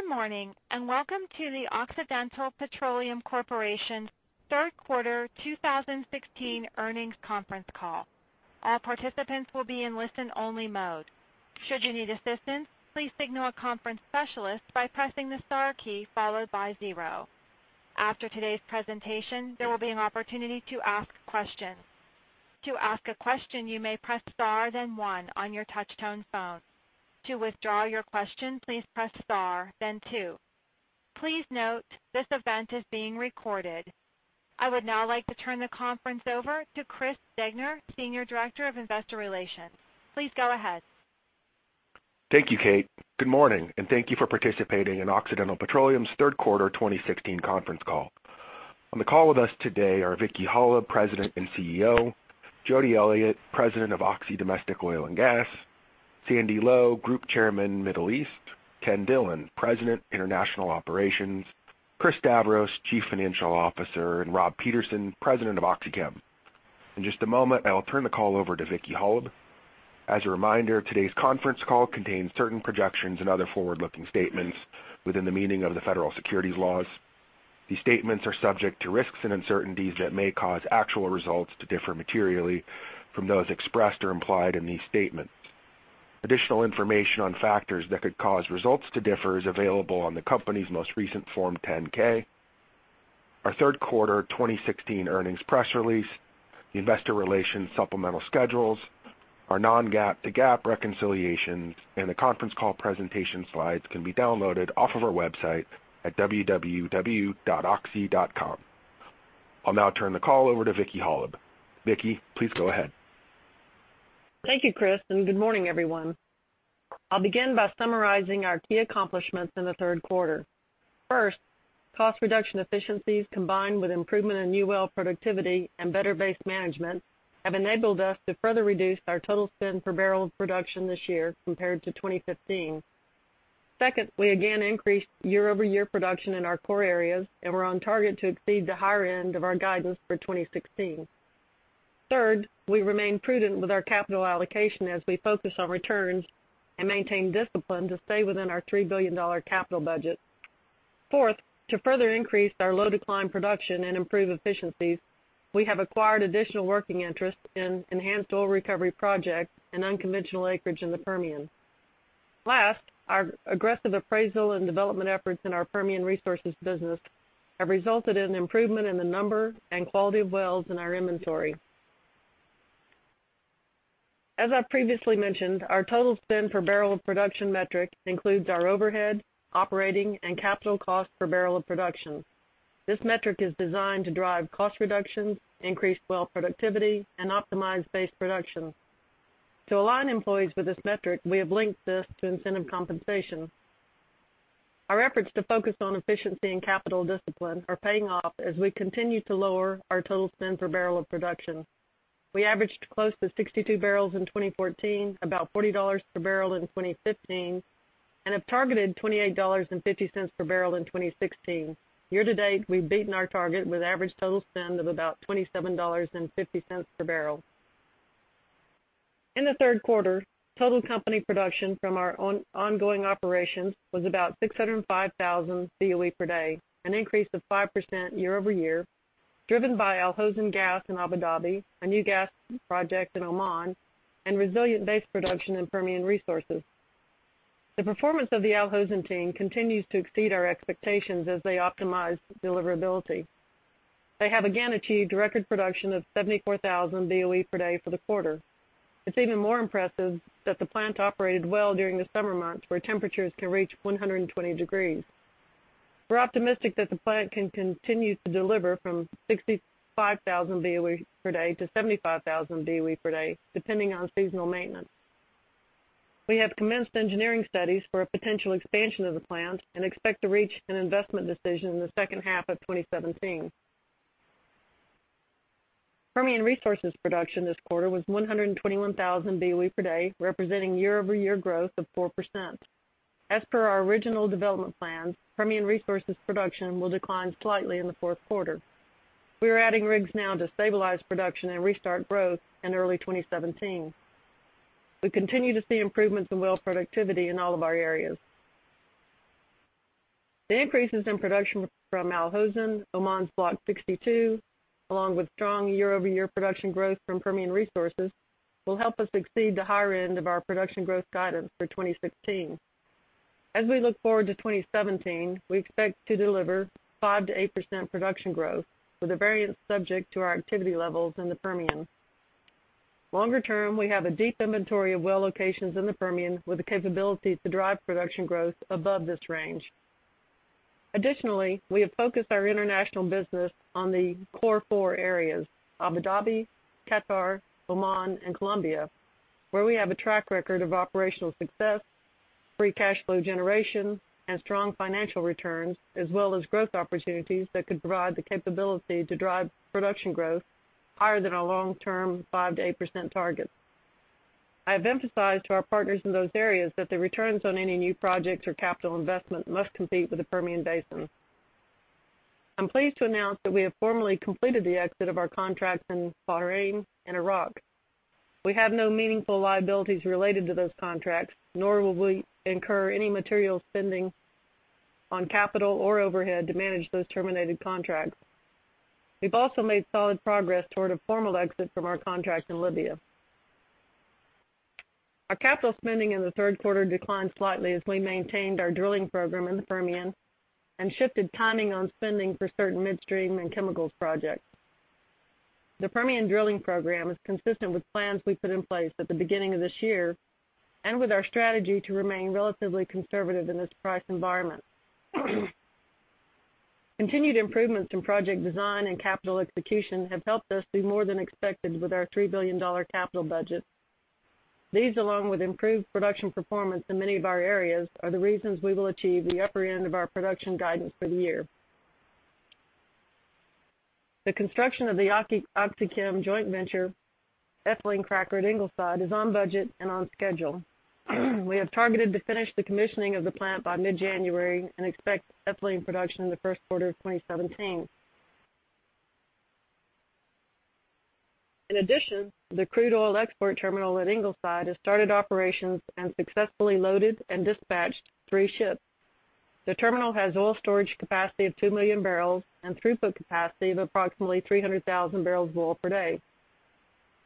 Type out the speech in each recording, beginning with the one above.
Good morning, welcome to the Occidental Petroleum Corporation third quarter 2016 earnings conference call. All participants will be in listen-only mode. Should you need assistance, please signal a conference specialist by pressing the star key followed by zero. After today's presentation, there will be an opportunity to ask questions. To ask a question, you may press star, then one on your touch-tone phone. To withdraw your question, please press star, then two. Please note, this event is being recorded. I would now like to turn the conference over to Chris Degner, Senior Director of Investor Relations. Please go ahead. Thank you, Kate. Good morning, thank you for participating in Occidental Petroleum's third quarter 2016 conference call. On the call with us today are Vicki Hollub, President and CEO, Jody Elliott, President of Oxy Domestic Oil and Gas, Sandy Lowe, Group Chairman, Middle East, Ken Dillon, President, International Operations, Chris Stavros, Chief Financial Officer, and Rob Peterson, President of OxyChem. In just a moment, I will turn the call over to Vicki Hollub. As a reminder, today's conference call contains certain projections and other forward-looking statements within the meaning of the Federal Securities laws. These statements are subject to risks and uncertainties that may cause actual results to differ materially from those expressed or implied in these statements. Additional information on factors that could cause results to differ is available on the company's most recent Form 10-K, our third quarter 2016 earnings press release, the investor relations supplemental schedules, our non-GAAP to GAAP reconciliations, and the conference call presentation slides can be downloaded off of our website at www.oxy.com. I'll now turn the call over to Vicki Hollub. Vicki, please go ahead. Thank you, Chris, good morning, everyone. I'll begin by summarizing our key accomplishments in the third quarter. First, cost reduction efficiencies, combined with improvement in new well productivity and better base management, have enabled us to further reduce our total spend per barrel of production this year compared to 2015. Second, we again increased year-over-year production in our core areas, and we're on target to exceed the higher end of our guidance for 2016. Third, we remain prudent with our capital allocation as we focus on returns and maintain discipline to stay within our $3 billion capital budget. Fourth, to further increase our low decline production and improve efficiencies, we have acquired additional working interest in enhanced oil recovery projects and unconventional acreage in the Permian. Our aggressive appraisal and development efforts in our Permian Resources business have resulted in an improvement in the number and quality of wells in our inventory. As I previously mentioned, our total spend per barrel of production metric includes our overhead, operating, and capital cost per barrel of production. This metric is designed to drive cost reductions, increase well productivity, and optimize base production. To align employees with this metric, we have linked this to incentive compensation. Our efforts to focus on efficiency and capital discipline are paying off as we continue to lower our total spend per barrel of production. We averaged close to 62 barrels in 2014, about $40 per barrel in 2015, and have targeted $28.50 per barrel in 2016. Year-to-date, we've beaten our target with average total spend of about $27.50 per barrel. In the third quarter, total company production from our ongoing operations was about 605,000 BOE per day, an increase of 5% year-over-year, driven by Al Hosn gas in Abu Dhabi, a new gas project in Oman, and resilient base production in Permian Resources. The performance of the Al Hosn team continues to exceed our expectations as they optimize deliverability. They have again achieved record production of 74,000 BOE per day for the quarter. It's even more impressive that the plant operated well during the summer months, where temperatures can reach 120 degrees. We're optimistic that the plant can continue to deliver from 65,000 BOE per day to 75,000 BOE per day, depending on seasonal maintenance. We have commenced engineering studies for a potential expansion of the plant and expect to reach an investment decision in the second half of 2017. Permian Resources production this quarter was 121,000 BOE per day, representing year-over-year growth of 4%. As per our original development plans, Permian Resources production will decline slightly in the fourth quarter. We are adding rigs now to stabilize production and restart growth in early 2017. We continue to see improvements in well productivity in all of our areas. The increases in production from Al Hosn, Oman's Block 62, along with strong year-over-year production growth from Permian Resources, will help us exceed the higher end of our production growth guidance for 2016. As we look forward to 2017, we expect to deliver 5%-8% production growth, with the variance subject to our activity levels in the Permian. Longer term, we have a deep inventory of well locations in the Permian with the capability to drive production growth above this range. Additionally, we have focused our international business on the core four areas, Abu Dhabi, Qatar, Oman, and Colombia, where we have a track record of operational success, free cash flow generation, and strong financial returns, as well as growth opportunities that could provide the capability to drive production growth higher than our long-term 5%-8% target. I have emphasized to our partners in those areas that the returns on any new projects or capital investment must compete with the Permian Basin. I'm pleased to announce that we have formally completed the exit of our contracts in Bahrain and Iraq. We have no meaningful liabilities related to those contracts, nor will we incur any material spending on capital or overhead to manage those terminated contracts. We've also made solid progress toward a formal exit from our contract in Libya. Our capital spending in the third quarter declined slightly as we maintained our drilling program in the Permian and shifted timing on spending for certain midstream and chemicals projects. The Permian drilling program is consistent with plans we put in place at the beginning of this year and with our strategy to remain relatively conservative in this price environment. Continued improvements in project design and capital execution have helped us do more than expected with our $3 billion capital budget. These, along with improved production performance in many of our areas, are the reasons we will achieve the upper end of our production guidance for the year. The construction of the OxyChem joint venture ethylene cracker at Ingleside is on budget and on schedule. We have targeted to finish the commissioning of the plant by mid-January and expect ethylene production in the first quarter of 2017. The crude oil export terminal at Ingleside has started operations and successfully loaded and dispatched three ships. The terminal has oil storage capacity of 2 million barrels and throughput capacity of approximately 300,000 barrels of oil per day.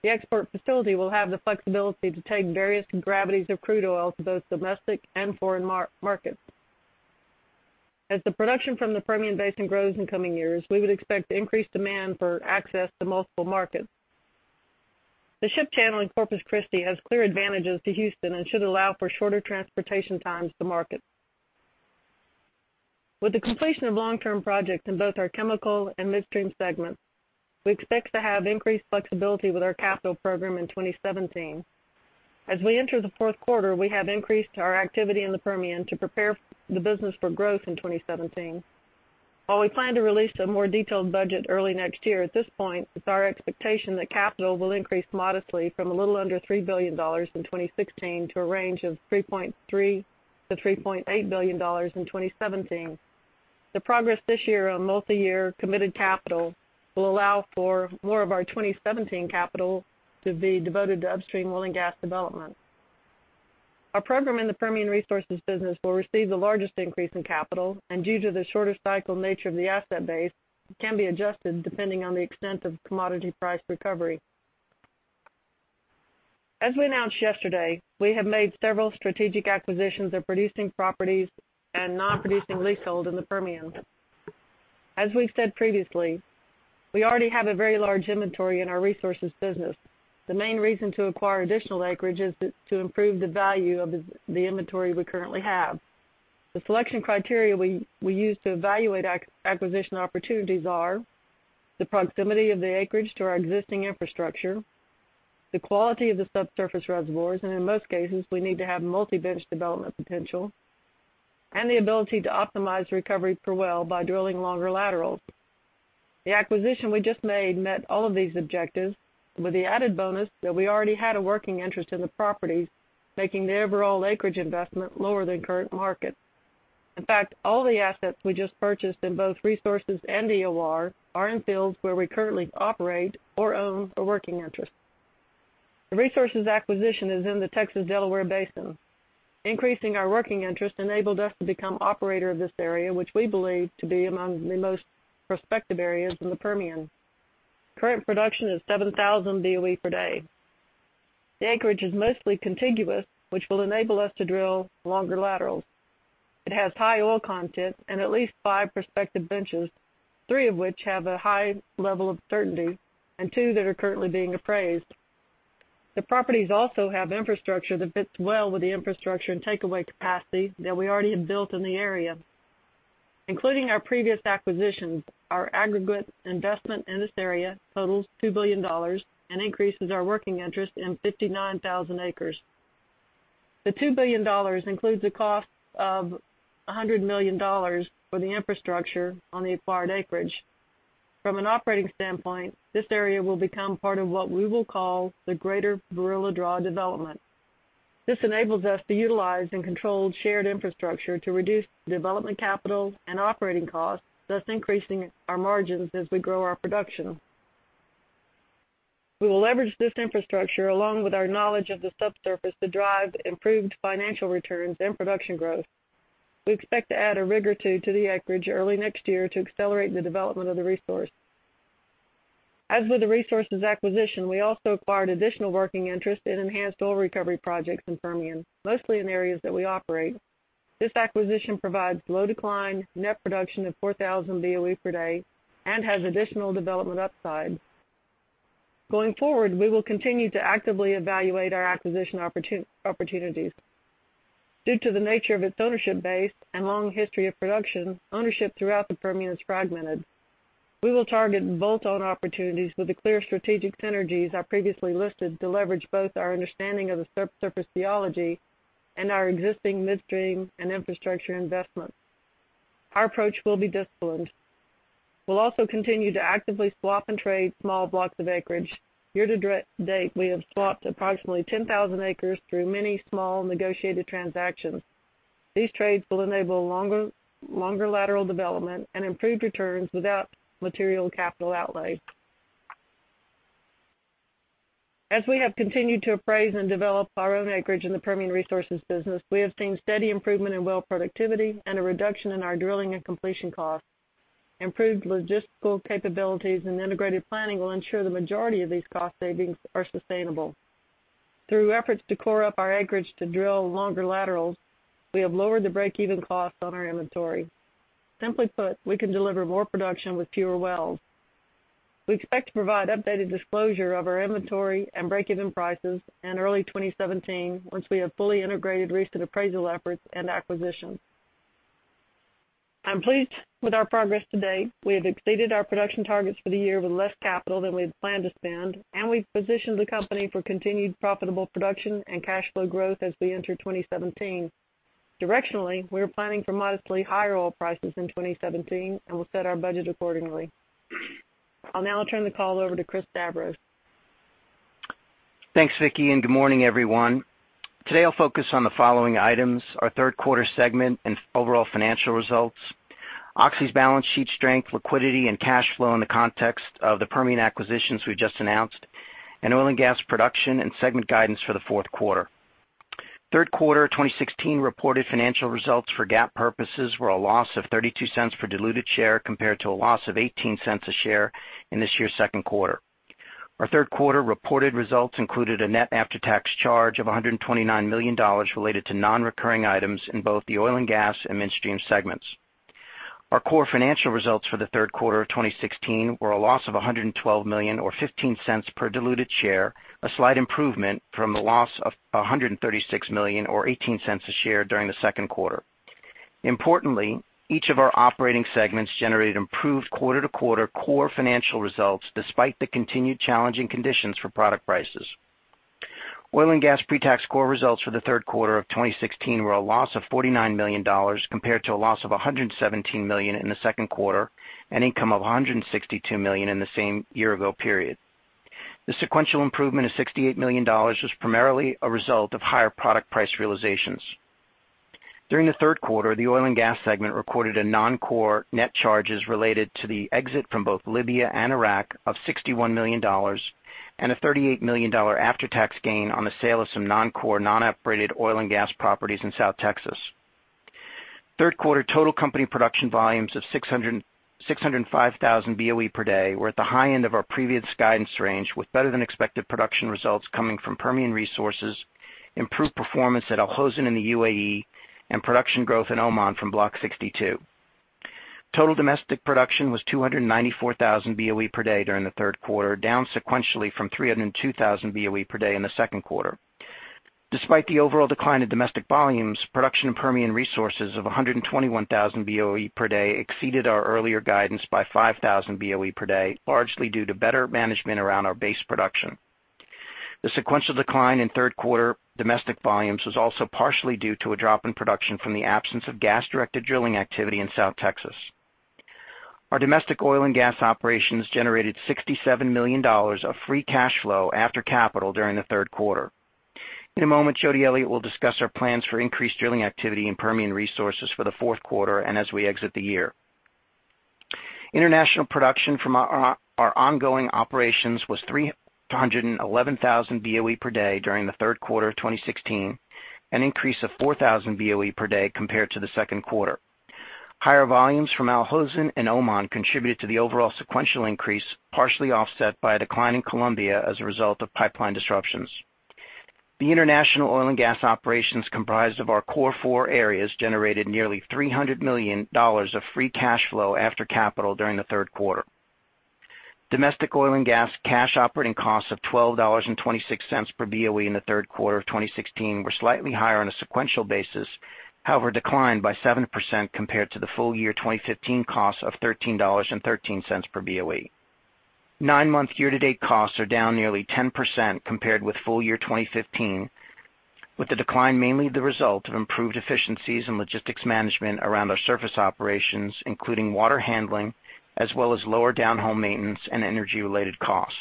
The export facility will have the flexibility to take various gravities of crude oil to both domestic and foreign markets. As the production from the Permian Basin grows in coming years, we would expect increased demand for access to multiple markets. The ship channel in Corpus Christi has clear advantages to Houston and should allow for shorter transportation times to market. With the completion of long-term projects in both our chemical and midstream segments, we expect to have increased flexibility with our capital program in 2017. As we enter the fourth quarter, we have increased our activity in the Permian to prepare the business for growth in 2017. While we plan to release a more detailed budget early next year, at this point, it's our expectation that capital will increase modestly from a little under $3 billion in 2016 to a range of $3.3 billion-$3.8 billion in 2017. The progress this year on multi-year committed capital will allow for more of our 2017 capital to be devoted to upstream oil and gas development. Our program in the Permian Resources business will receive the largest increase in capital, and due to the shorter cycle nature of the asset base, it can be adjusted depending on the extent of commodity price recovery. As we announced yesterday, we have made several strategic acquisitions of producing properties and non-producing leasehold in the Permian. As we've said previously, we already have a very large inventory in our resources business. The main reason to acquire additional acreage is to improve the value of the inventory we currently have. The selection criteria we use to evaluate acquisition opportunities are the proximity of the acreage to our existing infrastructure, the quality of the subsurface reservoirs, and in most cases, we need to have multi-bench development potential and the ability to optimize recovery per well by drilling longer laterals. The acquisition we just made met all of these objectives with the added bonus that we already had a working interest in the properties, making the overall acreage investment lower than current market. In fact, all the assets we just purchased in both resources and EOR are in fields where we currently operate or own a working interest. The resources acquisition is in the Texas Delaware Basin. Increasing our working interest enabled us to become operator of this area, which we believe to be among the most prospective areas in the Permian. Current production is 7,000 BOE per day. The acreage is mostly contiguous, which will enable us to drill longer laterals. It has high oil content and at least five prospective benches, three of which have a high level of certainty and two that are currently being appraised. The properties also have infrastructure that fits well with the infrastructure and takeaway capacity that we already have built in the area. Including our previous acquisitions, our aggregate investment in this area totals $2 billion and increases our working interest in 59,000 acres. The $2 billion includes the cost of $100 million for the infrastructure on the acquired acreage. From an operating standpoint, this area will become part of what we will call the Greater Barilla Draw Development. This enables us to utilize and control shared infrastructure to reduce development capital and operating costs, thus increasing our margins as we grow our production. We will leverage this infrastructure along with our knowledge of the subsurface to drive improved financial returns and production growth. We expect to add a rig or two to the acreage early next year to accelerate the development of the resource. As with the resources acquisition, we also acquired additional working interest in enhanced oil recovery projects in Permian, mostly in areas that we operate. This acquisition provides low decline net production of 4,000 BOE per day and has additional development upside. Going forward, we will continue to actively evaluate our acquisition opportunities. Due to the nature of its ownership base and long history of production, ownership throughout the Permian is fragmented. We will target bolt-on opportunities with the clear strategic synergies I previously listed to leverage both our understanding of the subsurface geology and our existing midstream and infrastructure investments. Our approach will be disciplined. We will also continue to actively swap and trade small blocks of acreage. Year to date, we have swapped approximately 10,000 acres through many small negotiated transactions. These trades will enable longer lateral development and improved returns without material capital outlay. As we have continued to appraise and develop our own acreage in the Permian Resources business, we have seen steady improvement in well productivity and a reduction in our drilling and completion costs. Improved logistical capabilities and integrated planning will ensure the majority of these cost savings are sustainable. Through efforts to core up our acreage to drill longer laterals, we have lowered the break-even cost on our inventory. Simply put, we can deliver more production with fewer wells. We expect to provide updated disclosure of our inventory and break-even prices in early 2017 once we have fully integrated recent appraisal efforts and acquisitions. I am pleased with our progress to date. We have exceeded our production targets for the year with less capital than we had planned to spend, and we have positioned the company for continued profitable production and cash flow growth as we enter 2017. Directionally, we are planning for modestly higher oil prices in 2017, and we will set our budget accordingly. I will now turn the call over to Chris Stavros. Thanks, Vicki, and good morning, everyone. Today, I'll focus on the following items: Our third quarter segment and overall financial results, Oxy's balance sheet strength, liquidity, and cash flow in the context of the Permian acquisitions we just announced, and oil and gas production and segment guidance for the fourth quarter. Third quarter 2016 reported financial results for GAAP purposes were a loss of $0.32 per diluted share compared to a loss of $0.18 a share in this year's second quarter. Our third quarter reported results included a net after-tax charge of $129 million related to non-recurring items in both the oil and gas and midstream segments. Our core financial results for the third quarter of 2016 were a loss of $112 million or $0.15 per diluted share, a slight improvement from the loss of $136 million or $0.18 a share during the second quarter. Importantly, each of our operating segments generated improved quarter-to-quarter core financial results despite the continued challenging conditions for product prices. Oil and gas pre-tax core results for the third quarter of 2016 were a loss of $49 million compared to a loss of $117 million in the second quarter, and income of $162 million in the same year-ago period. The sequential improvement of $68 million was primarily a result of higher product price realizations. During the third quarter, the oil and gas segment recorded non-core net charges related to the exit from both Libya and Iraq of $61 million, and a $38 million after-tax gain on the sale of some non-core, non-operated oil and gas properties in South Texas. Third quarter total company production volumes of 605,000 BOE per day were at the high end of our previous guidance range, with better-than-expected production results coming from Permian Resources, improved performance at Al Hosn in the U.A.E., and production growth in Oman from Block 62. Total domestic production was 294,000 BOE per day during the third quarter, down sequentially from 302,000 BOE per day in the second quarter. Despite the overall decline in domestic volumes, production in Permian Resources of 121,000 BOE per day exceeded our earlier guidance by 5,000 BOE per day, largely due to better management around our base production. The sequential decline in third quarter domestic volumes was also partially due to a drop in production from the absence of gas-directed drilling activity in South Texas. Our domestic oil and gas operations generated $67 million of free cash flow after capital during the third quarter. In a moment, Jody Elliott will discuss our plans for increased drilling activity in Permian Resources for the fourth quarter and as we exit the year. International production from our ongoing operations was 311,000 BOE per day during the third quarter of 2016, an increase of 4,000 BOE per day compared to the second quarter. Higher volumes from Al Hosn and Oman contributed to the overall sequential increase, partially offset by a decline in Colombia as a result of pipeline disruptions. The international oil and gas operations comprised of our core four areas generated nearly $300 million of free cash flow after capital during the third quarter. Domestic oil and gas cash operating costs of $12.26 per BOE in the third quarter of 2016 were slightly higher on a sequential basis, however, declined by 7% compared to the full year 2015 cost of $13.13 per BOE. Nine-month year-to-date costs are down nearly 10% compared with full year 2015, with the decline mainly the result of improved efficiencies in logistics management around our surface operations, including water handling, as well as lower downhole maintenance and energy-related costs.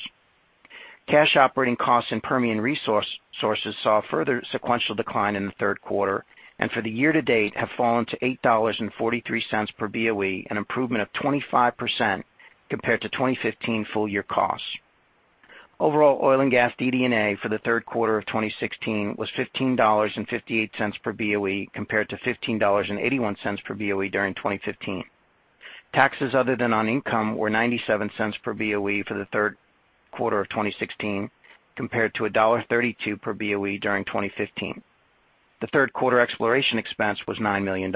Cash operating costs in Permian Resources saw a further sequential decline in the third quarter, and for the year to date have fallen to $8.43 per BOE, an improvement of 25% compared to 2015 full year costs. Overall oil and gas DD&A for the third quarter of 2016 was $15.58 per BOE, compared to $15.81 per BOE during 2015. Taxes other than on income were $0.97 per BOE for the third quarter of 2016, compared to $1.32 per BOE during 2015. The third quarter exploration expense was $9 million.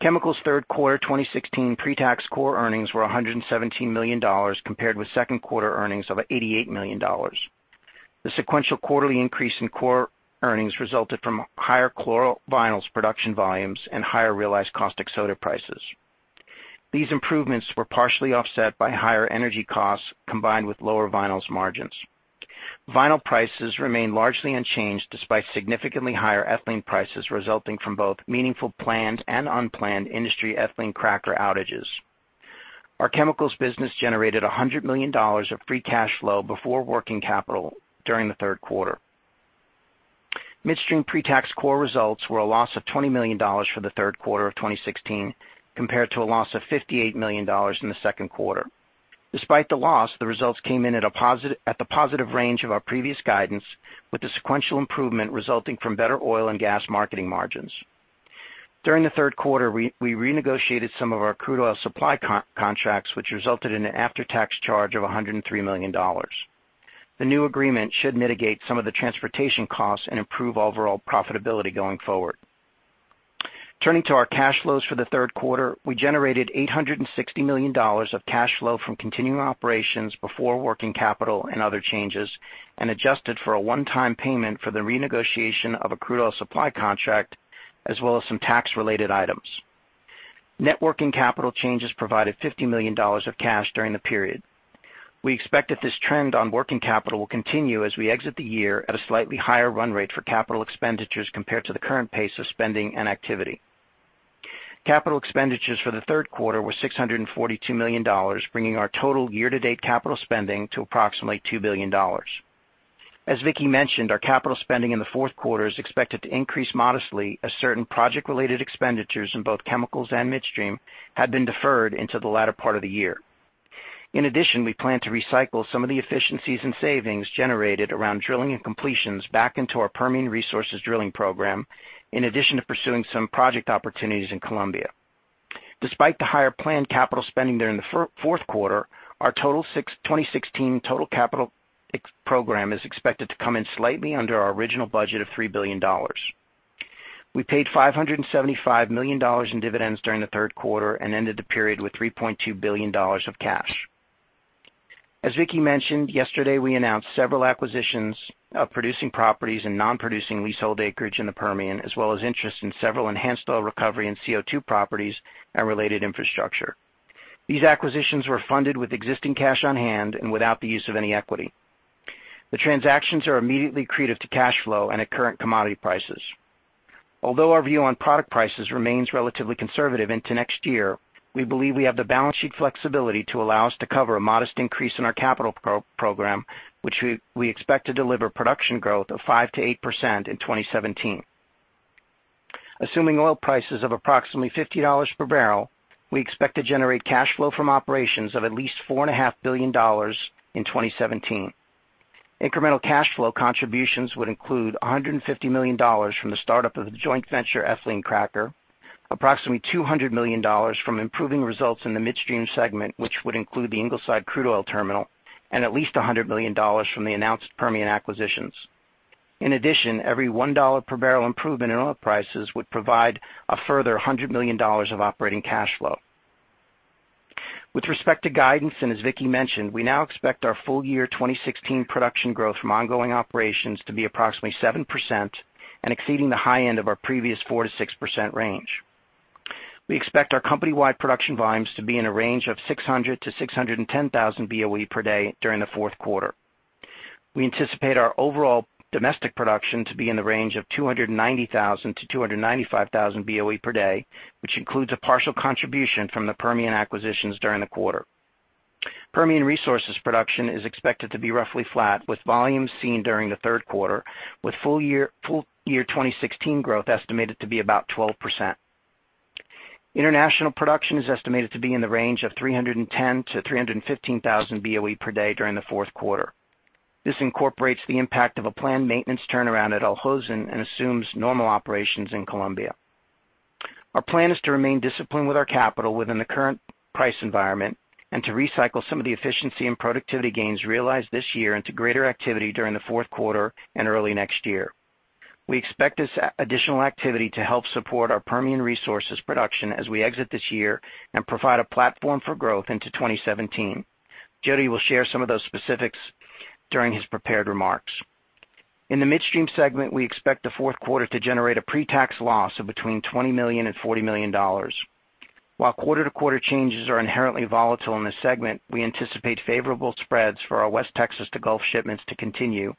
Chemicals' third quarter 2016 pre-tax core earnings were $117 million, compared with second quarter earnings of $88 million. The sequential quarterly increase in core earnings resulted from higher chlorovinyls production volumes and higher realized caustic soda prices. These improvements were partially offset by higher energy costs combined with lower vinyls margins. Vinyl prices remain largely unchanged despite significantly higher ethylene prices resulting from both meaningful planned and unplanned industry ethylene cracker outages. Our chemicals business generated $100 million of free cash flow before working capital during the third quarter. Midstream pre-tax core results were a loss of $20 million for the third quarter of 2016, compared to a loss of $58 million in the second quarter. Despite the loss, the results came in at the positive range of our previous guidance, with the sequential improvement resulting from better oil and gas marketing margins. During the third quarter, we renegotiated some of our crude oil supply contracts, which resulted in an after-tax charge of $103 million. The new agreement should mitigate some of the transportation costs and improve overall profitability going forward. Turning to our cash flows for the third quarter, we generated $860 million of cash flow from continuing operations before working capital and other changes, and adjusted for a one-time payment for the renegotiation of a crude oil supply contract, as well as some tax-related items. Net working capital changes provided $50 million of cash during the period. We expect that this trend on working capital will continue as we exit the year at a slightly higher run rate for capital expenditures compared to the current pace of spending and activity. Capital expenditures for the third quarter were $642 million, bringing our total year-to-date capital spending to approximately $2 billion. As Vicki mentioned, our capital spending in the fourth quarter is expected to increase modestly as certain project-related expenditures in both chemicals and midstream had been deferred into the latter part of the year. In addition, we plan to recycle some of the efficiencies and savings generated around drilling and completions back into our Permian Resources drilling program, in addition to pursuing some project opportunities in Colombia. Despite the higher planned capital spending during the fourth quarter, our 2016 total capital program is expected to come in slightly under our original budget of $3 billion. We paid $575 million in dividends during the third quarter and ended the period with $3.2 billion of cash. As Vicki mentioned, yesterday, we announced several acquisitions of producing properties and non-producing leasehold acreage in the Permian, as well as interest in several enhanced oil recovery and CO2 properties and related infrastructure. These acquisitions were funded with existing cash on hand and without the use of any equity. The transactions are immediately accretive to cash flow and at current commodity prices. Although our view on product prices remains relatively conservative into next year, we believe we have the balance sheet flexibility to allow us to cover a modest increase in our capital program, which we expect to deliver production growth of 5% to 8% in 2017. Assuming oil prices of approximately $50 per barrel, we expect to generate cash flow from operations of at least $4.5 billion in 2017. Incremental cash flow contributions would include $150 million from the startup of the joint venture ethylene cracker, approximately $200 million from improving results in the midstream segment, which would include the Ingleside Crude Oil Terminal, and at least $100 million from the announced Permian acquisitions. Every $1 per barrel improvement in oil prices would provide a further $100 million of operating cash flow. With respect to guidance, as Vicki mentioned, we now expect our full year 2016 production growth from ongoing operations to be approximately 7% and exceeding the high end of our previous 4% to 6% range. We expect our company-wide production volumes to be in a range of 600,000 to 610,000 BOE per day during the fourth quarter. We anticipate our overall domestic production to be in the range of 290,000 to 295,000 BOE per day, which includes a partial contribution from the Permian acquisitions during the quarter. Permian Resources production is expected to be roughly flat, with volumes seen during the third quarter, with full year 2016 growth estimated to be about 12%. International production is estimated to be in the range of 310,000 to 315,000 BOE per day during the fourth quarter. This incorporates the impact of a planned maintenance turnaround at Al Hosn and assumes normal operations in Colombia. Our plan is to remain disciplined with our capital within the current price environment and to recycle some of the efficiency and productivity gains realized this year into greater activity during the fourth quarter and early next year. Jody will share some of those specifics during his prepared remarks. In the midstream segment, we expect the fourth quarter to generate a pre-tax loss of between $20 million and $40 million. While quarter-to-quarter changes are inherently volatile in this segment, we anticipate favorable spreads for our West Texas to Gulf shipments to continue,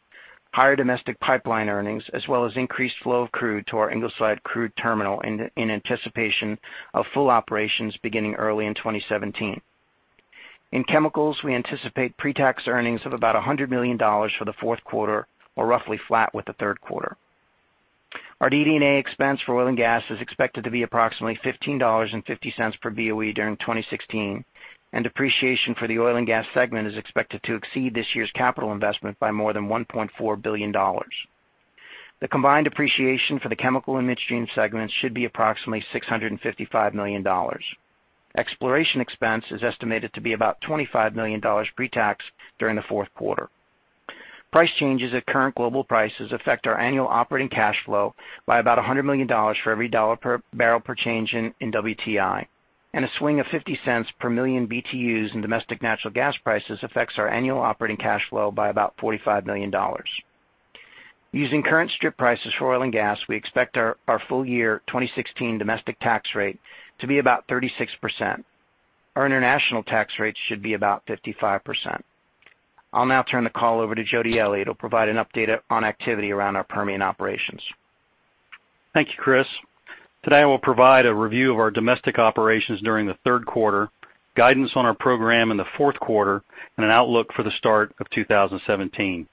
higher domestic pipeline earnings, as well as increased flow of crude to our Ingleside Crude Terminal in anticipation of full operations beginning early in 2017. In chemicals, we anticipate pre-tax earnings of about $100 million for the fourth quarter or roughly flat with the third quarter. Our DD&A expense for oil and gas is expected to be approximately $15.50 per BOE during 2016, and depreciation for the oil and gas segment is expected to exceed this year's capital investment by more than $1.4 billion. The combined depreciation for the chemical and midstream segments should be approximately $655 million. Exploration expense is estimated to be about $25 million pre-tax during the fourth quarter. Price changes at current global prices affect our annual operating cash flow by about $100 million for every $1 per barrel per change in WTI, and a swing of $0.50 per million BTUs in domestic natural gas prices affects our annual operating cash flow by about $45 million. Using current strip prices for oil and gas, we expect our full year 2016 domestic tax rate to be about 36%. Our international tax rate should be about 55%. I'll now turn the call over to Jody Elliott, who will provide an update on activity around our Permian operations. Thank you, Chris. Today, I will provide a review of our domestic operations during the third quarter, guidance on our program in the fourth quarter, and an outlook for the start of 2017.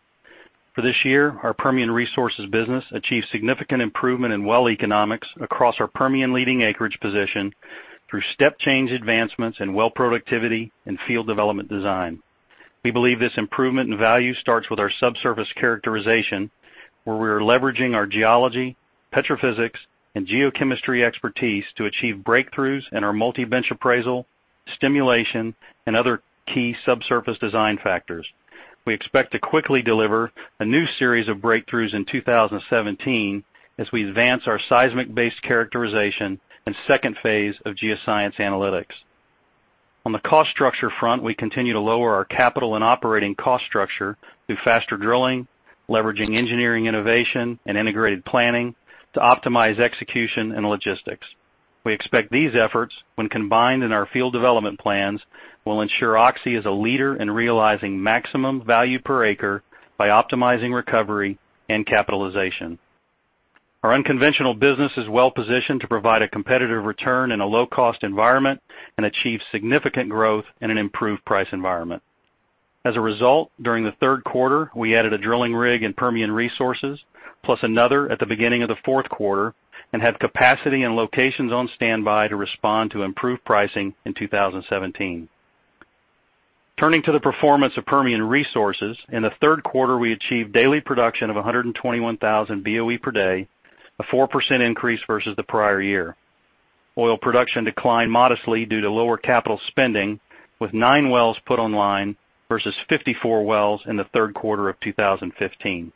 For this year, our Permian Resources business achieved significant improvement in well economics across our Permian-leading acreage position through step change advancements in well productivity and field development design. We believe this improvement in value starts with our subsurface characterization, where we are leveraging our geology, petrophysics, and geochemistry expertise to achieve breakthroughs in our multi-bench appraisal, stimulation, and other key subsurface design factors. We expect to quickly deliver a new series of breakthroughs in 2017 as we advance our seismic-based characterization and second phase of geoscience analytics. On the cost structure front, we continue to lower our capital and operating cost structure through faster drilling, leveraging engineering innovation, and integrated planning to optimize execution and logistics. We expect these efforts, when combined in our field development plans, will ensure Oxy is a leader in realizing maximum value per acre by optimizing recovery and capitalization. Our unconventional business is well positioned to provide a competitive return in a low-cost environment and achieve significant growth in an improved price environment. As a result, during the third quarter, we added a drilling rig in Permian Resources, plus another at the beginning of the fourth quarter, and have capacity and locations on standby to respond to improved pricing in 2017. Turning to the performance of Permian Resources, in the third quarter, we achieved daily production of 121,000 BOE per day, a 4% increase versus the prior year. Oil production declined modestly due to lower capital spending, with nine wells put online versus 54 wells in the third quarter of 2015.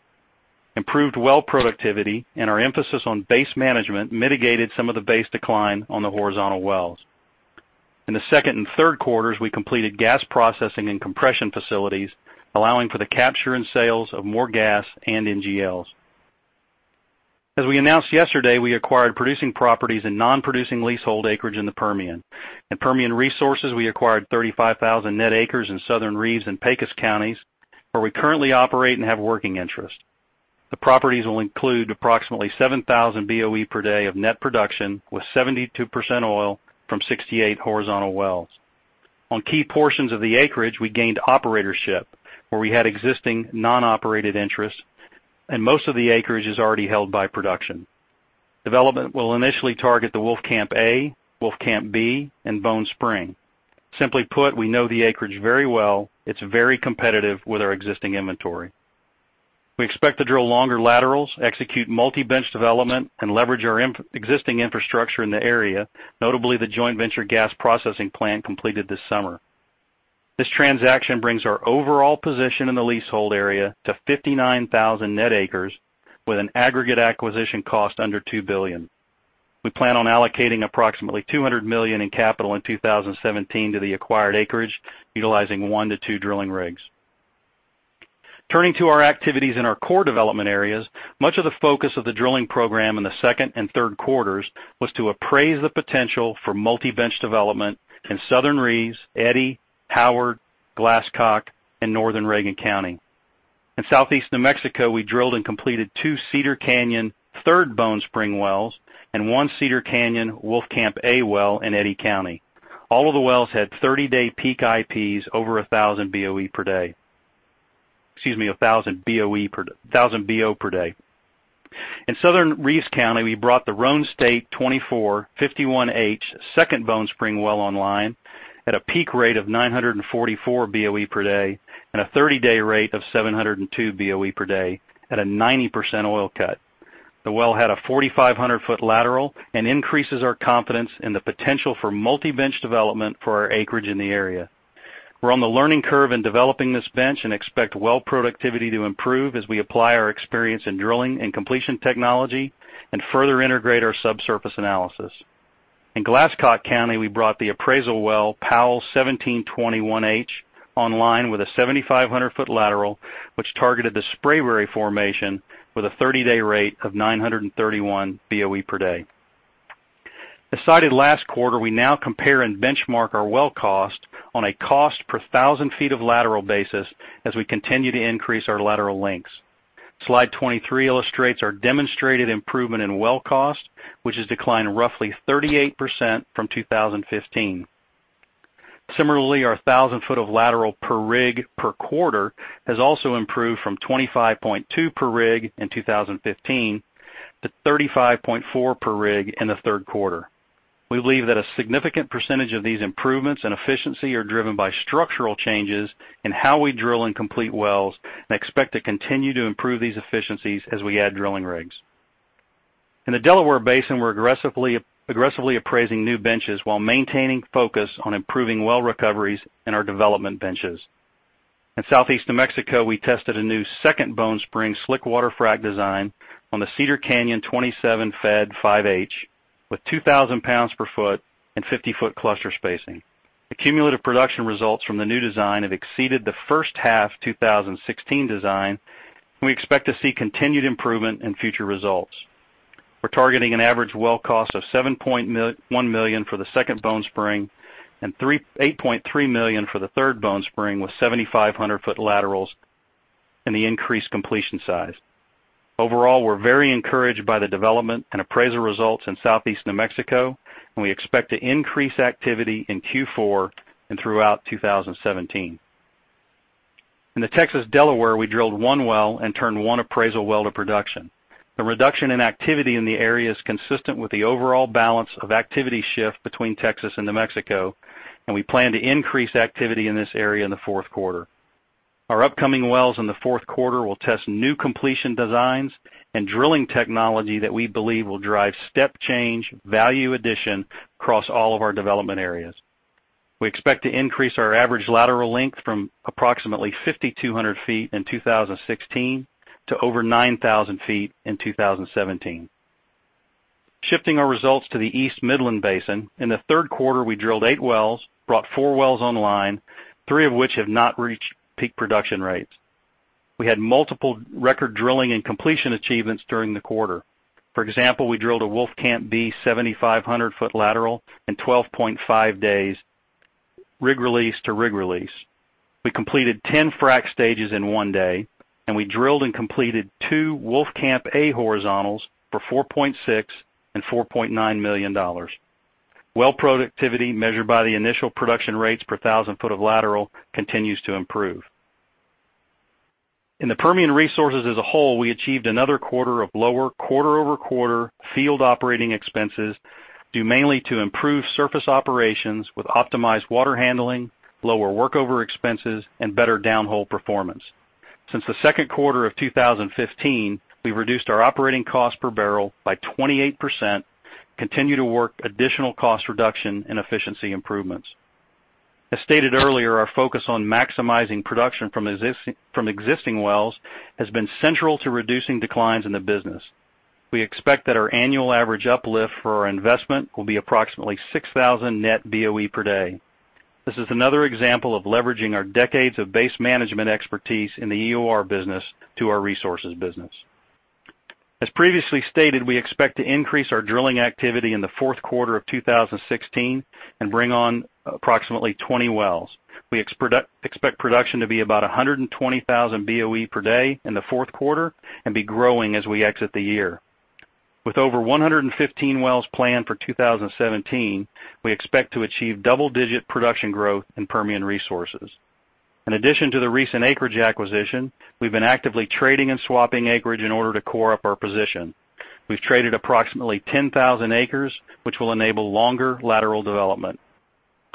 Improved well productivity and our emphasis on base management mitigated some of the base decline on the horizontal wells. In the second and third quarters, we completed gas processing and compression facilities, allowing for the capture and sales of more gas and NGLs. As we announced yesterday, we acquired producing properties and non-producing leasehold acreage in the Permian. In Permian Resources, we acquired 35,000 net acres in southern Reeves and Pecos Counties, where we currently operate and have working interest. The properties will include approximately 7,000 BOE per day of net production, with 72% oil from 68 horizontal wells. On key portions of the acreage, we gained operatorship, where we had existing non-operated interests, and most of the acreage is already held by production. Development will initially target the Wolfcamp A, Wolfcamp B, and Bone Spring. Simply put, we know the acreage very well. It's very competitive with our existing inventory. We expect to drill longer laterals, execute multi-bench development, and leverage our existing infrastructure in the area, notably the joint venture gas processing plant completed this summer. This transaction brings our overall position in the leasehold area to 59,000 net acres with an aggregate acquisition cost under $2 billion. We plan on allocating approximately $200 million in capital in 2017 to the acquired acreage, utilizing one to two drilling rigs. Turning to our activities in our core development areas, much of the focus of the drilling program in the second and third quarters was to appraise the potential for multi-bench development in southern Reeves, Eddy, Howard, Glasscock, and northern Reagan County. In southeast New Mexico, we drilled and completed two Cedar Canyon Third Bone Spring wells and one Cedar Canyon Wolfcamp A well in Eddy County. All of the wells had 30-day peak IPs over 1,000 BO per day. In southern Reeves County, we brought the Roan State 2451H Second Bone Spring well online at a peak rate of 944 BOE per day and a 30-day rate of 702 BOE per day at a 90% oil cut. The well had a 4,500-foot lateral and increases our confidence in the potential for multi-bench development for our acreage in the area. We're on the learning curve in developing this bench and expect well productivity to improve as we apply our experience in drilling and completion technology and further integrate our subsurface analysis. In Glasscock County, we brought the appraisal well Powell 1721H online with a 7,500-foot lateral, which targeted the Spraberry formation with a 30-day rate of 931 BOE per day. As cited last quarter, we now compare and benchmark our well cost on a cost per 1,000 feet of lateral basis as we continue to increase our lateral lengths. Slide 23 illustrates our demonstrated improvement in well cost, which has declined roughly 38% from 2015. Similarly, our 1,000 foot of lateral per rig per quarter has also improved from 25.2 per rig in 2015 to 35.4 per rig in the third quarter. We believe that a significant percentage of these improvements in efficiency are driven by structural changes in how we drill and complete wells and expect to continue to improve these efficiencies as we add drilling rigs. In the Delaware Basin, we're aggressively appraising new benches while maintaining focus on improving well recoveries in our development benches. In southeast New Mexico, we tested a new Second Bone Spring slickwater frac design on the Cedar Canyon 27Fed5H with 2,000 pounds per foot and 50-foot cluster spacing. Cumulative production results from the new design have exceeded the first half 2016 design, and we expect to see continued improvement in future results. We're targeting an average well cost of $7.1 million for the Second Bone Spring and $8.3 million for the Third Bone Spring with 7,500-foot laterals. The increased completion size. Overall, we're very encouraged by the development and appraisal results in Southeast New Mexico, and we expect to increase activity in Q4 and throughout 2017. In the Texas Delaware, we drilled one well and turned one appraisal well to production. The reduction in activity in the area is consistent with the overall balance of activity shift between Texas and New Mexico. We plan to increase activity in this area in the fourth quarter. Our upcoming wells in the fourth quarter will test new completion designs and drilling technology that we believe will drive step change, value addition across all of our development areas. We expect to increase our average lateral length from approximately 5,200 feet in 2016 to over 9,000 feet in 2017. Shifting our results to the East Midland Basin, in the third quarter, we drilled eight wells, brought four wells online, three of which have not reached peak production rates. We had multiple record drilling and completion achievements during the quarter. For example, we drilled a Wolfcamp B 7,500-foot lateral in 12.5 days rig release to rig release. We completed 10 frac stages in one day. We drilled and completed two Wolfcamp A horizontals for $4.6 and $4.9 million. Well productivity, measured by the initial production rates per thousand foot of lateral, continues to improve. In the Permian Resources as a whole, we achieved another quarter of lower quarter-over-quarter field operating expenses, due mainly to improved surface operations with optimized water handling, lower workover expenses, and better downhole performance. Since the second quarter of 2015, we've reduced our operating cost per barrel by 28%, continue to work additional cost reduction and efficiency improvements. As stated earlier, our focus on maximizing production from existing wells has been central to reducing declines in the business. We expect that our annual average uplift for our investment will be approximately 6,000 net BOE per day. This is another example of leveraging our decades of base management expertise in the EOR business to our resources business. As previously stated, we expect to increase our drilling activity in the fourth quarter of 2016 and bring on approximately 20 wells. We expect production to be about 120,000 BOE per day in the fourth quarter and be growing as we exit the year. With over 115 wells planned for 2017, we expect to achieve double-digit production growth in Permian Resources. In addition to the recent acreage acquisition, we've been actively trading and swapping acreage in order to core up our position. We've traded approximately 10,000 acres, which will enable longer lateral development.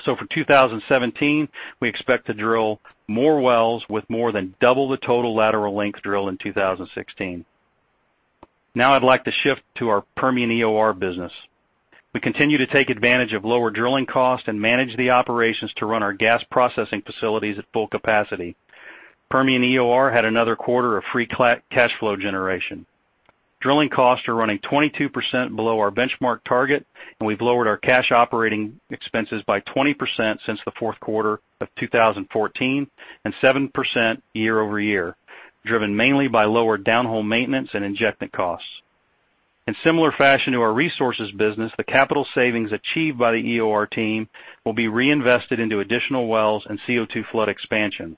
For 2017, we expect to drill more wells with more than double the total lateral length drilled in 2016. Now I'd like to shift to our Permian EOR business. We continue to take advantage of lower drilling costs and manage the operations to run our gas processing facilities at full capacity. Permian EOR had another quarter of free cash flow generation. Drilling costs are running 22% below our benchmark target. We've lowered our cash operating expenses by 20% since the fourth quarter of 2014 and 7% year-over-year, driven mainly by lower downhole maintenance and injectant costs. In similar fashion to our resources business, the capital savings achieved by the EOR team will be reinvested into additional wells and CO2 flood expansions.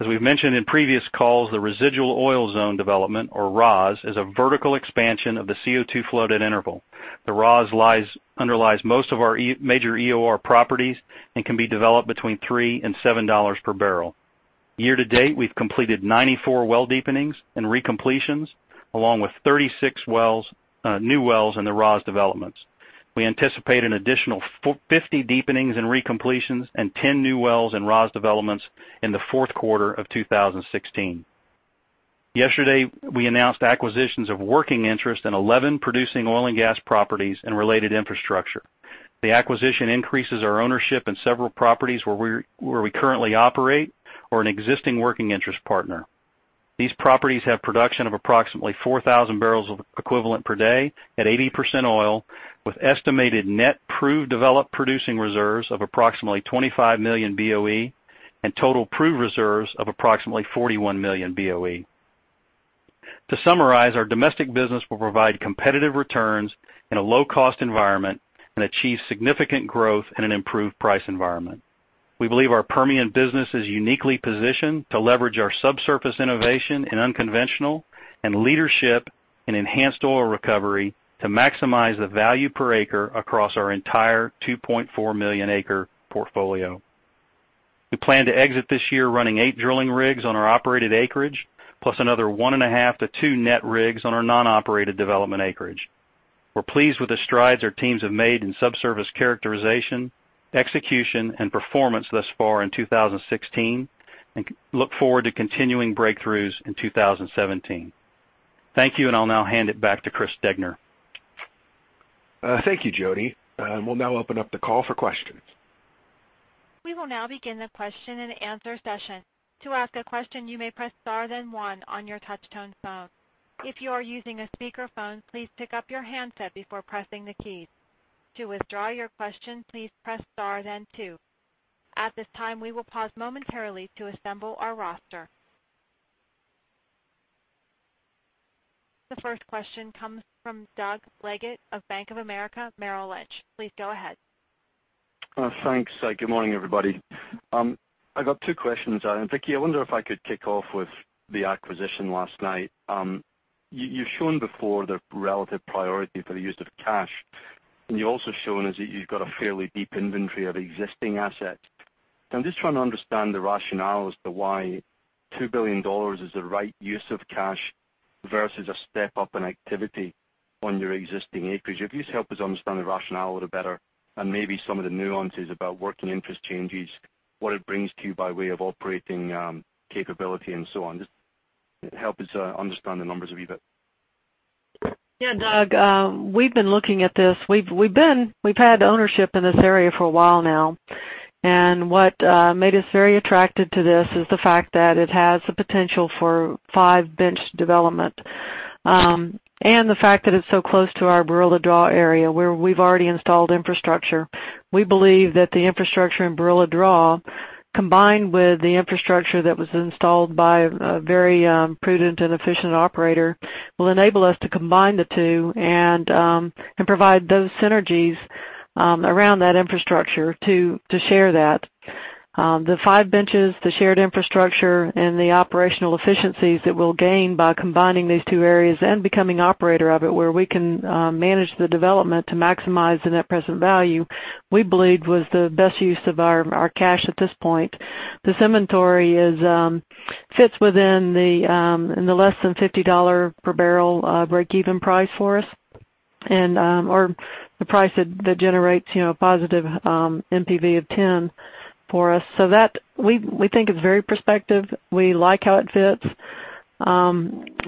As we've mentioned in previous calls, the residual oil zone development, or ROZ, is a vertical expansion of the CO2 flooded interval. The ROZ underlies most of our major EOR properties and can be developed between $3 and $7 per barrel. Year to date, we've completed 94 well deepenings and recompletions, along with 36 new wells in the ROZ developments. We anticipate an additional 50 deepenings and recompletions and 10 new wells in ROZ developments in the fourth quarter of 2016. Yesterday, we announced acquisitions of working interest in 11 producing oil and gas properties and related infrastructure. The acquisition increases our ownership in several properties where we currently operate or an existing working interest partner. These properties have production of approximately 4,000 barrels equivalent per day at 80% oil, with estimated net proved developed producing reserves of approximately 25 million BOE and total proved reserves of approximately 41 million BOE. To summarize, our domestic business will provide competitive returns in a low-cost environment and achieve significant growth in an improved price environment. We believe our Permian business is uniquely positioned to leverage our subsurface innovation in unconventional and leadership in enhanced oil recovery to maximize the value per acre across our entire 2.4 million acre portfolio. We plan to exit this year running eight drilling rigs on our operated acreage, plus another one and a half to two net rigs on our non-operated development acreage. We're pleased with the strides our teams have made in subsurface characterization, execution, and performance thus far in 2016 and look forward to continuing breakthroughs in 2017. Thank you, and I'll now hand it back to Chris Degner. Thank you, Jody. We'll now open up the call for questions. We will now begin the question-and-answer session. To ask a question, you may press star then one on your touch-tone phone. If you are using a speakerphone, please pick up your handset before pressing the keys. To withdraw your question, please press star then two. At this time, we will pause momentarily to assemble our roster. The first question comes from Doug Leggate of Bank of America Merrill Lynch. Please go ahead. Thanks. Good morning, everybody. I've got two questions. Vicki, I wonder if I could kick off with the acquisition last night. You've shown before the relative priority for the use of cash, and you've also shown us that you've got a fairly deep inventory of existing assets. I'm just trying to understand the rationale as to why $2 billion is the right use of cash versus a step up in activity on your existing acreage. If you just help us understand the rationale a little better and maybe some of the nuances about working interest changes, what it brings to you by way of operating capability and so on. Just help us understand the numbers a wee bit. Yeah, Doug, we've been looking at this. We've had ownership in this area for a while now, and what made us very attracted to this is the fact that it has the potential for 5 bench development, and the fact that it's so close to our Barilla Draw area where we've already installed infrastructure. We believe that the infrastructure in Barilla Draw, combined with the infrastructure that was installed by a very prudent and efficient operator, will enable us to combine the two and provide those synergies around that infrastructure to share that. The 5 benches, the shared infrastructure, and the operational efficiencies that we'll gain by combining these two areas and becoming operator of it, where we can manage the development to maximize the net present value, we believe was the best use of our cash at this point. This inventory fits within the less than $50 per barrel breakeven price for us, or the price that generates a positive NPV of 10 for us. That we think is very prospective. We like how it fits.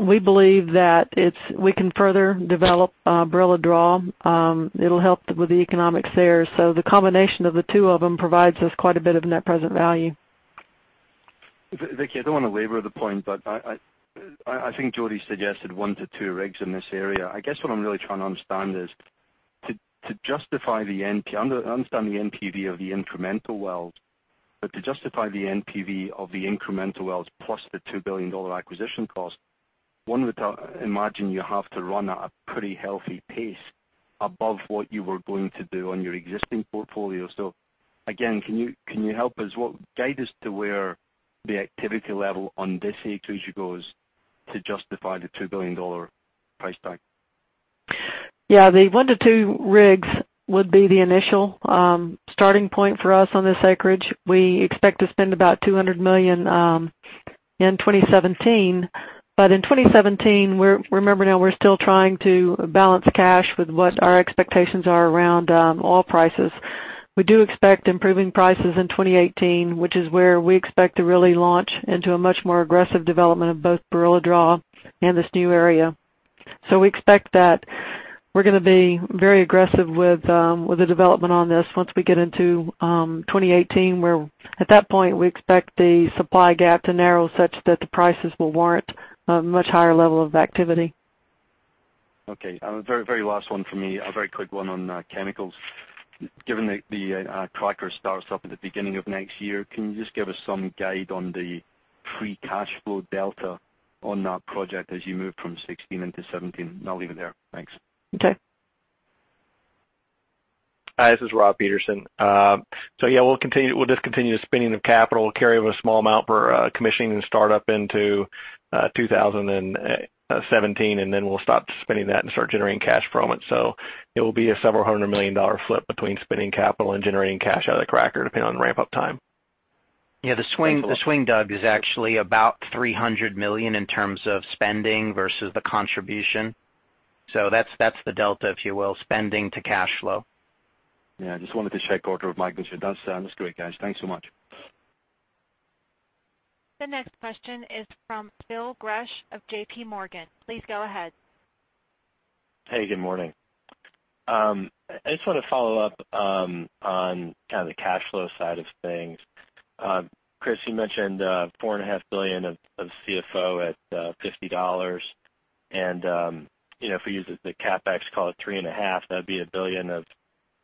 We believe that we can further develop Barilla Draw. It'll help with the economics there. The combination of the two of them provides us quite a bit of net present value. Vicki, I don't want to labor the point, but I think Jody suggested one to two rigs in this area. I guess what I'm really trying to understand is, I understand the NPV of the incremental wells, but to justify the NPV of the incremental wells plus the $2 billion acquisition cost, one would imagine you have to run at a pretty healthy pace above what you were going to do on your existing portfolio. Again, can you help us? Guide us to where the activity level on this acreage goes to justify the $2 billion price tag? Yeah. The one to two rigs would be the initial starting point for us on this acreage. We expect to spend about $200 million in 2017. In 2017, remember now, we're still trying to balance cash with what our expectations are around oil prices. We do expect improving prices in 2018, which is where we expect to really launch into a much more aggressive development of both Greater Barilla Draw and this new area. We expect that we're going to be very aggressive with the development on this once we get into 2018, where at that point, we expect the supply gap to narrow such that the prices will warrant a much higher level of activity. Okay. Very last one from me, a very quick one on chemicals. Given that the cracker starts up at the beginning of next year, can you just give us some guide on the free cash flow delta on that project as you move from 2016 into 2017? I'll leave it there. Thanks. Okay. Hi, this is Rob Peterson. Yeah, we'll just continue the spending of capital. We'll carry a small amount for commissioning the start-up into 2017, and then we'll stop spending that and start generating cash from it. It will be a several hundred million dollar flip between spending capital and generating cash out of the cracker, depending on the ramp-up time. Thanks a lot. Yeah, the swing, Doug, is actually about $300 million in terms of spending versus the contribution. That's the delta, if you will, spending to cash flow. Yeah, I just wanted to check order of magnitude. That's great, guys. Thanks so much. The next question is from Phil Gresh of JPMorgan. Please go ahead. Hey, good morning. I just want to follow up on kind of the cash flow side of things. Chris, you mentioned $4.5 billion of CFO at $50. If we use the CapEx call at three and a half, that'd be $1 billion of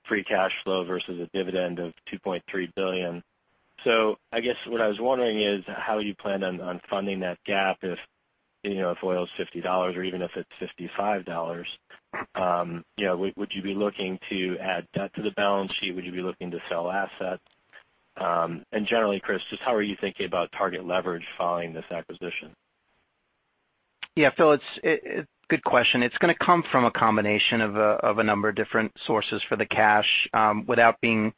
free cash flow versus a dividend of $2.3 billion. I guess what I was wondering is how you plan on funding that gap if oil is $50 or even if it's $55? Would you be looking to add debt to the balance sheet? Would you be looking to sell assets? Generally, Chris, just how are you thinking about target leverage following this acquisition? Phil, good question. It's going to come from a combination of a number of different sources for the cash. Without being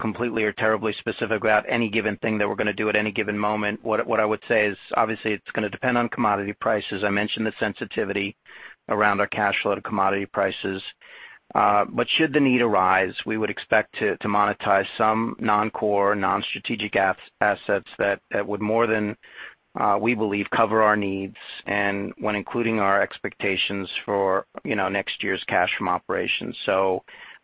completely or terribly specific about any given thing that we're going to do at any given moment, what I would say is obviously it's going to depend on commodity prices. I mentioned the sensitivity around our cash flow to commodity prices. Should the need arise, we would expect to monetize some non-core, non-strategic assets that would more than, we believe, cover our needs, and when including our expectations for next year's cash from operations.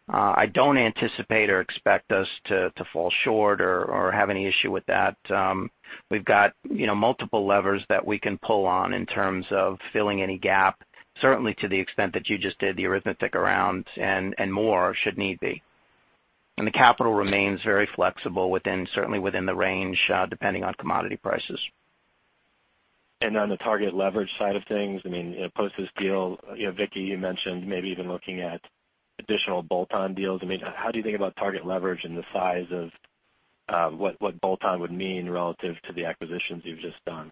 I don't anticipate or expect us to fall short or have any issue with that. We've got multiple levers that we can pull on in terms of filling any gap, certainly to the extent that you just did the arithmetic around, and more should need be. The capital remains very flexible, certainly within the range, depending on commodity prices. On the target leverage side of things, post this deal, Vicki, you mentioned maybe even looking at additional bolt-on deals. How do you think about target leverage and the size of what bolt-on would mean relative to the acquisitions you've just done?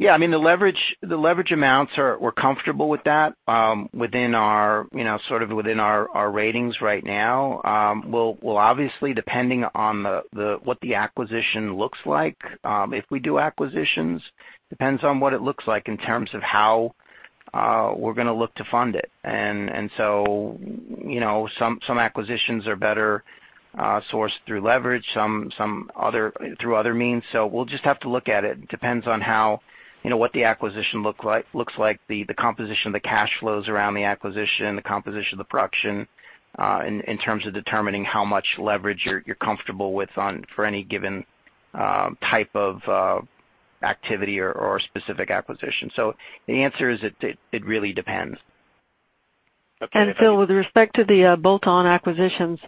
The leverage amounts, we're comfortable with that, within our ratings right now. Obviously, depending on what the acquisition looks like, if we do acquisitions, depends on what it looks like in terms of how we're going to look to fund it. Some acquisitions are better sourced through leverage, some through other means. We'll just have to look at it. It depends on what the acquisition looks like, the composition of the cash flows around the acquisition, the composition of the production, in terms of determining how much leverage you're comfortable with for any given type of activity or specific acquisition. The answer is, it really depends. Okay. Phil, with respect to the bolt-on acquisitions,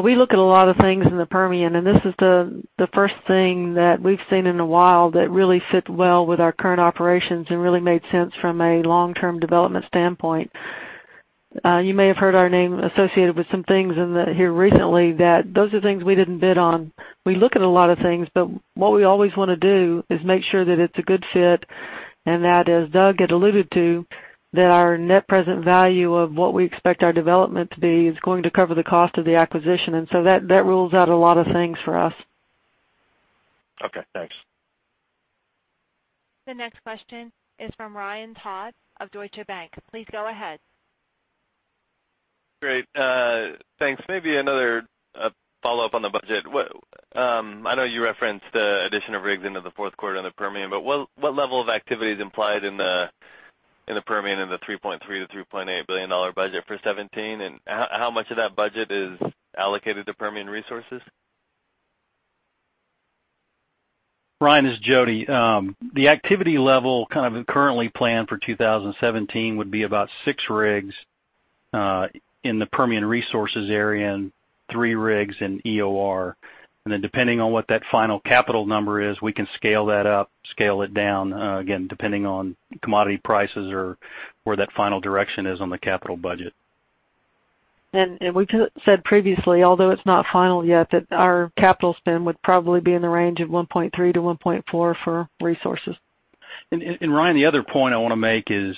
we look at a lot of things in the Permian, This is the first thing that we've seen in a while that really fit well with our current operations and really made sense from a long-term development standpoint. You may have heard our name associated with some things here recently that those are things we didn't bid on. What we always want to do is make sure that it's a good fit and that, as Doug had alluded to, that our net present value of what we expect our development to be is going to cover the cost of the acquisition. That rules out a lot of things for us. Okay, thanks. The next question is from Ryan Todd of Deutsche Bank. Please go ahead. Great. Thanks. Maybe another follow-up on the budget. I know you referenced the addition of rigs into the fourth quarter on the Permian, What level of activity is implied in the Permian in the $3.3 billion-$3.8 billion budget for 2017, and how much of that budget is allocated to Permian Resources? Ryan, it's Jody. The activity level currently planned for 2017 would be about six rigs in the Permian Resources area and three rigs in EOR. Depending on what that final capital number is, we can scale that up, scale it down, again, depending on commodity prices or where that final direction is on the capital budget. We said previously, although it's not final yet, that our capital spend would probably be in the range of $1.3-$1.4 for Permian Resources. Ryan, the other point I want to make is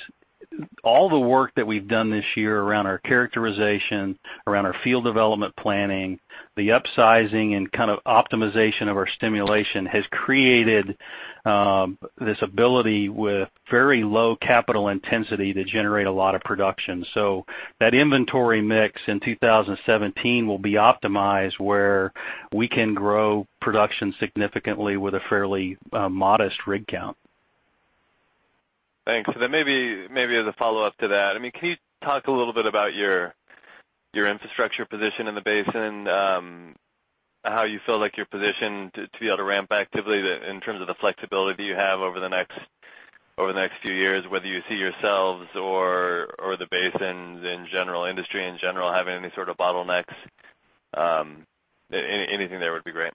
all the work that we've done this year around our characterization, around our field development planning, the upsizing and optimization of our stimulation has created this ability with very low capital intensity to generate a lot of production. That inventory mix in 2017 will be optimized where we can grow production significantly with a fairly modest rig count. Thanks. Maybe as a follow-up to that, can you talk a little bit about your infrastructure position in the basin? How you feel like you're positioned to be able to ramp activity in terms of the flexibility you have over the next few years, whether you see yourselves or the basins in general, industry in general, having any sort of bottlenecks. Anything there would be great.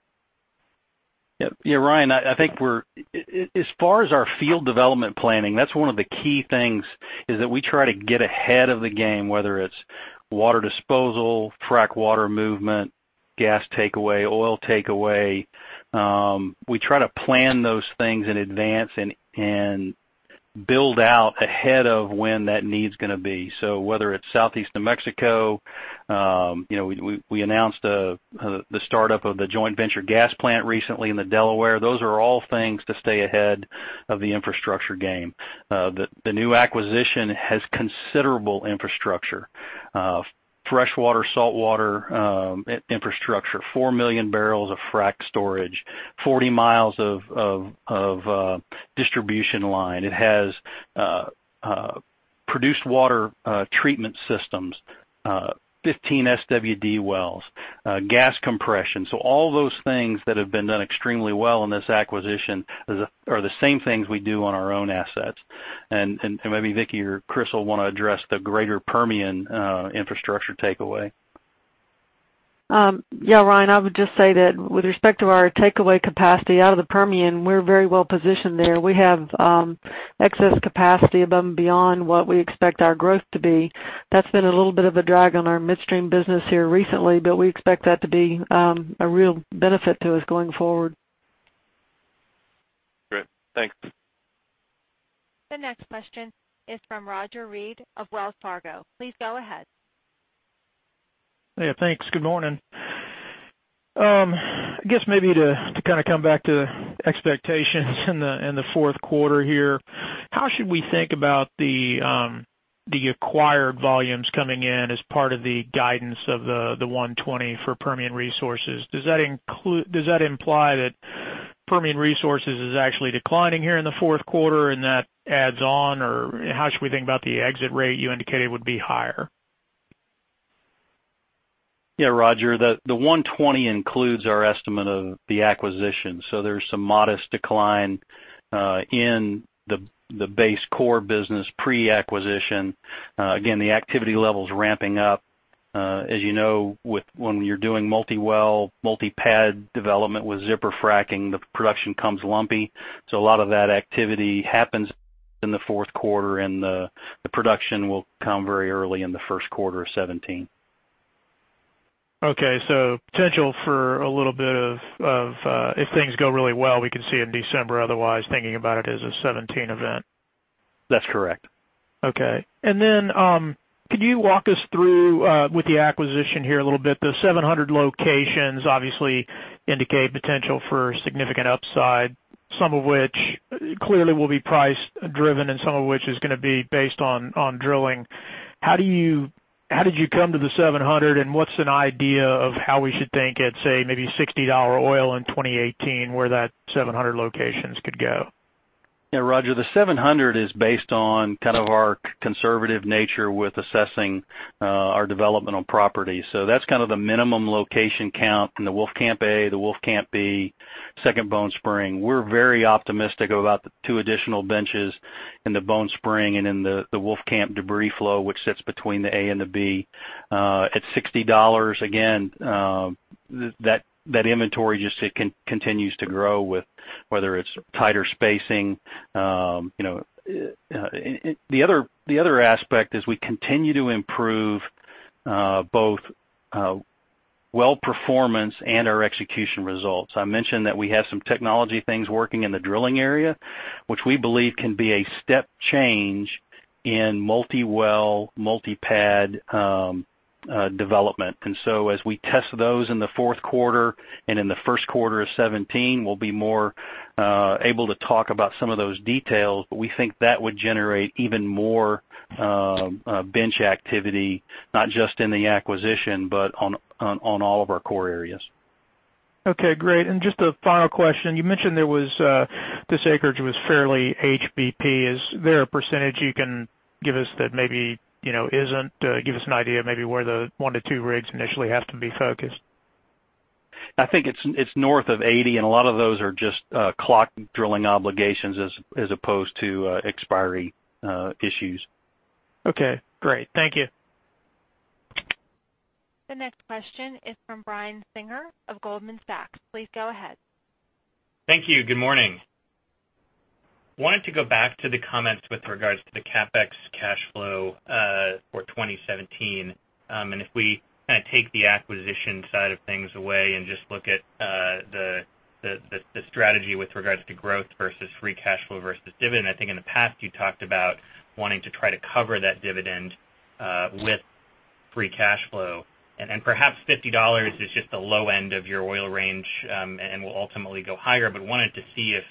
Ryan, I think as far as our field development planning, that's one of the key things is that we try to get ahead of the game, whether it's water disposal, frac water movement, gas takeaway, oil takeaway. We try to plan those things in advance and build out ahead of when that need's going to be. Whether it's Southeast New Mexico, we announced the startup of the joint venture gas plant recently in the Delaware. Those are all things to stay ahead of the infrastructure game. The new acquisition has considerable infrastructure. Freshwater, saltwater infrastructure, 4 million barrels of frac storage, 40 miles of distribution line. It has produced water treatment systems, 15 SWD wells, gas compression. All those things that have been done extremely well in this acquisition are the same things we do on our own assets. Maybe Vicki or Chris will want to address the greater Permian infrastructure takeaway. Ryan, I would just say that with respect to our takeaway capacity out of the Permian, we're very well positioned there. We have excess capacity above and beyond what we expect our growth to be. That's been a little bit of a drag on our midstream business here recently, we expect that to be a real benefit to us going forward. Great. Thanks. The next question is from Roger Read of Wells Fargo. Please go ahead. Yeah, thanks. Good morning. I guess maybe to come back to expectations in the fourth quarter here, how should we think about the acquired volumes coming in as part of the guidance of the 120 for Permian Resources? Does that imply that Permian Resources is actually declining here in the fourth quarter and that adds on, or how should we think about the exit rate you indicated would be higher? Yeah. Roger, the 120 includes our estimate of the acquisition. There's some modest decline in the base core business pre-acquisition. Again, the activity level's ramping up. As you know, when you're doing multi-well, multi-pad development with zipper fracking, the production comes lumpy. A lot of that activity happens in the fourth quarter, and the production will come very early in the first quarter of 2017. Okay. Potential for a little bit of, if things go really well, we can see it in December. Otherwise, thinking about it as a 2017 event. That's correct. Okay. Could you walk us through, with the acquisition here a little bit? The 700 locations obviously indicate potential for significant upside, some of which clearly will be price driven, and some of which is going to be based on drilling. How did you come to the 700, and what's an idea of how we should think at, say, maybe $60 oil in 2018, where that 700 locations could go? Yeah, Roger, the 700 is based on our conservative nature with assessing our developmental property. That's the minimum location count in the Wolfcamp A, the Wolfcamp B, Second Bone Spring. We're very optimistic about the two additional benches in the Bone Spring and in the Wolfcamp debris flow, which sits between the A and the B. At $60, again, that inventory just continues to grow with whether it's tighter spacing. The other aspect is we continue to improve both well performance and our execution results. I mentioned that we have some technology things working in the drilling area, which we believe can be a step change in multi-well, multi-pad development. As we test those in the fourth quarter and in the first quarter of 2017, we'll be more able to talk about some of those details. We think that would generate even more bench activity, not just in the acquisition, but on all of our core areas. Okay, great. Just a final question. You mentioned this acreage was fairly HBP. Is there a percentage you can give us that maybe isn't, give us an idea of maybe where the one to two rigs initially have to be focused? I think it's north of 80, a lot of those are just clock drilling obligations as opposed to expiry issues. Okay, great. Thank you. The next question is from Brian Singer of Goldman Sachs. Please go ahead. Thank you. Good morning. Wanted to go back to the comments with regards to the CapEx cash flow for 2017. If we take the acquisition side of things away and just look at the strategy with regards to growth versus free cash flow versus dividend, I think in the past, you talked about wanting to try to cover that dividend with free cash flow. Perhaps $50 is just the low end of your oil range, and will ultimately go higher, but wanted to see if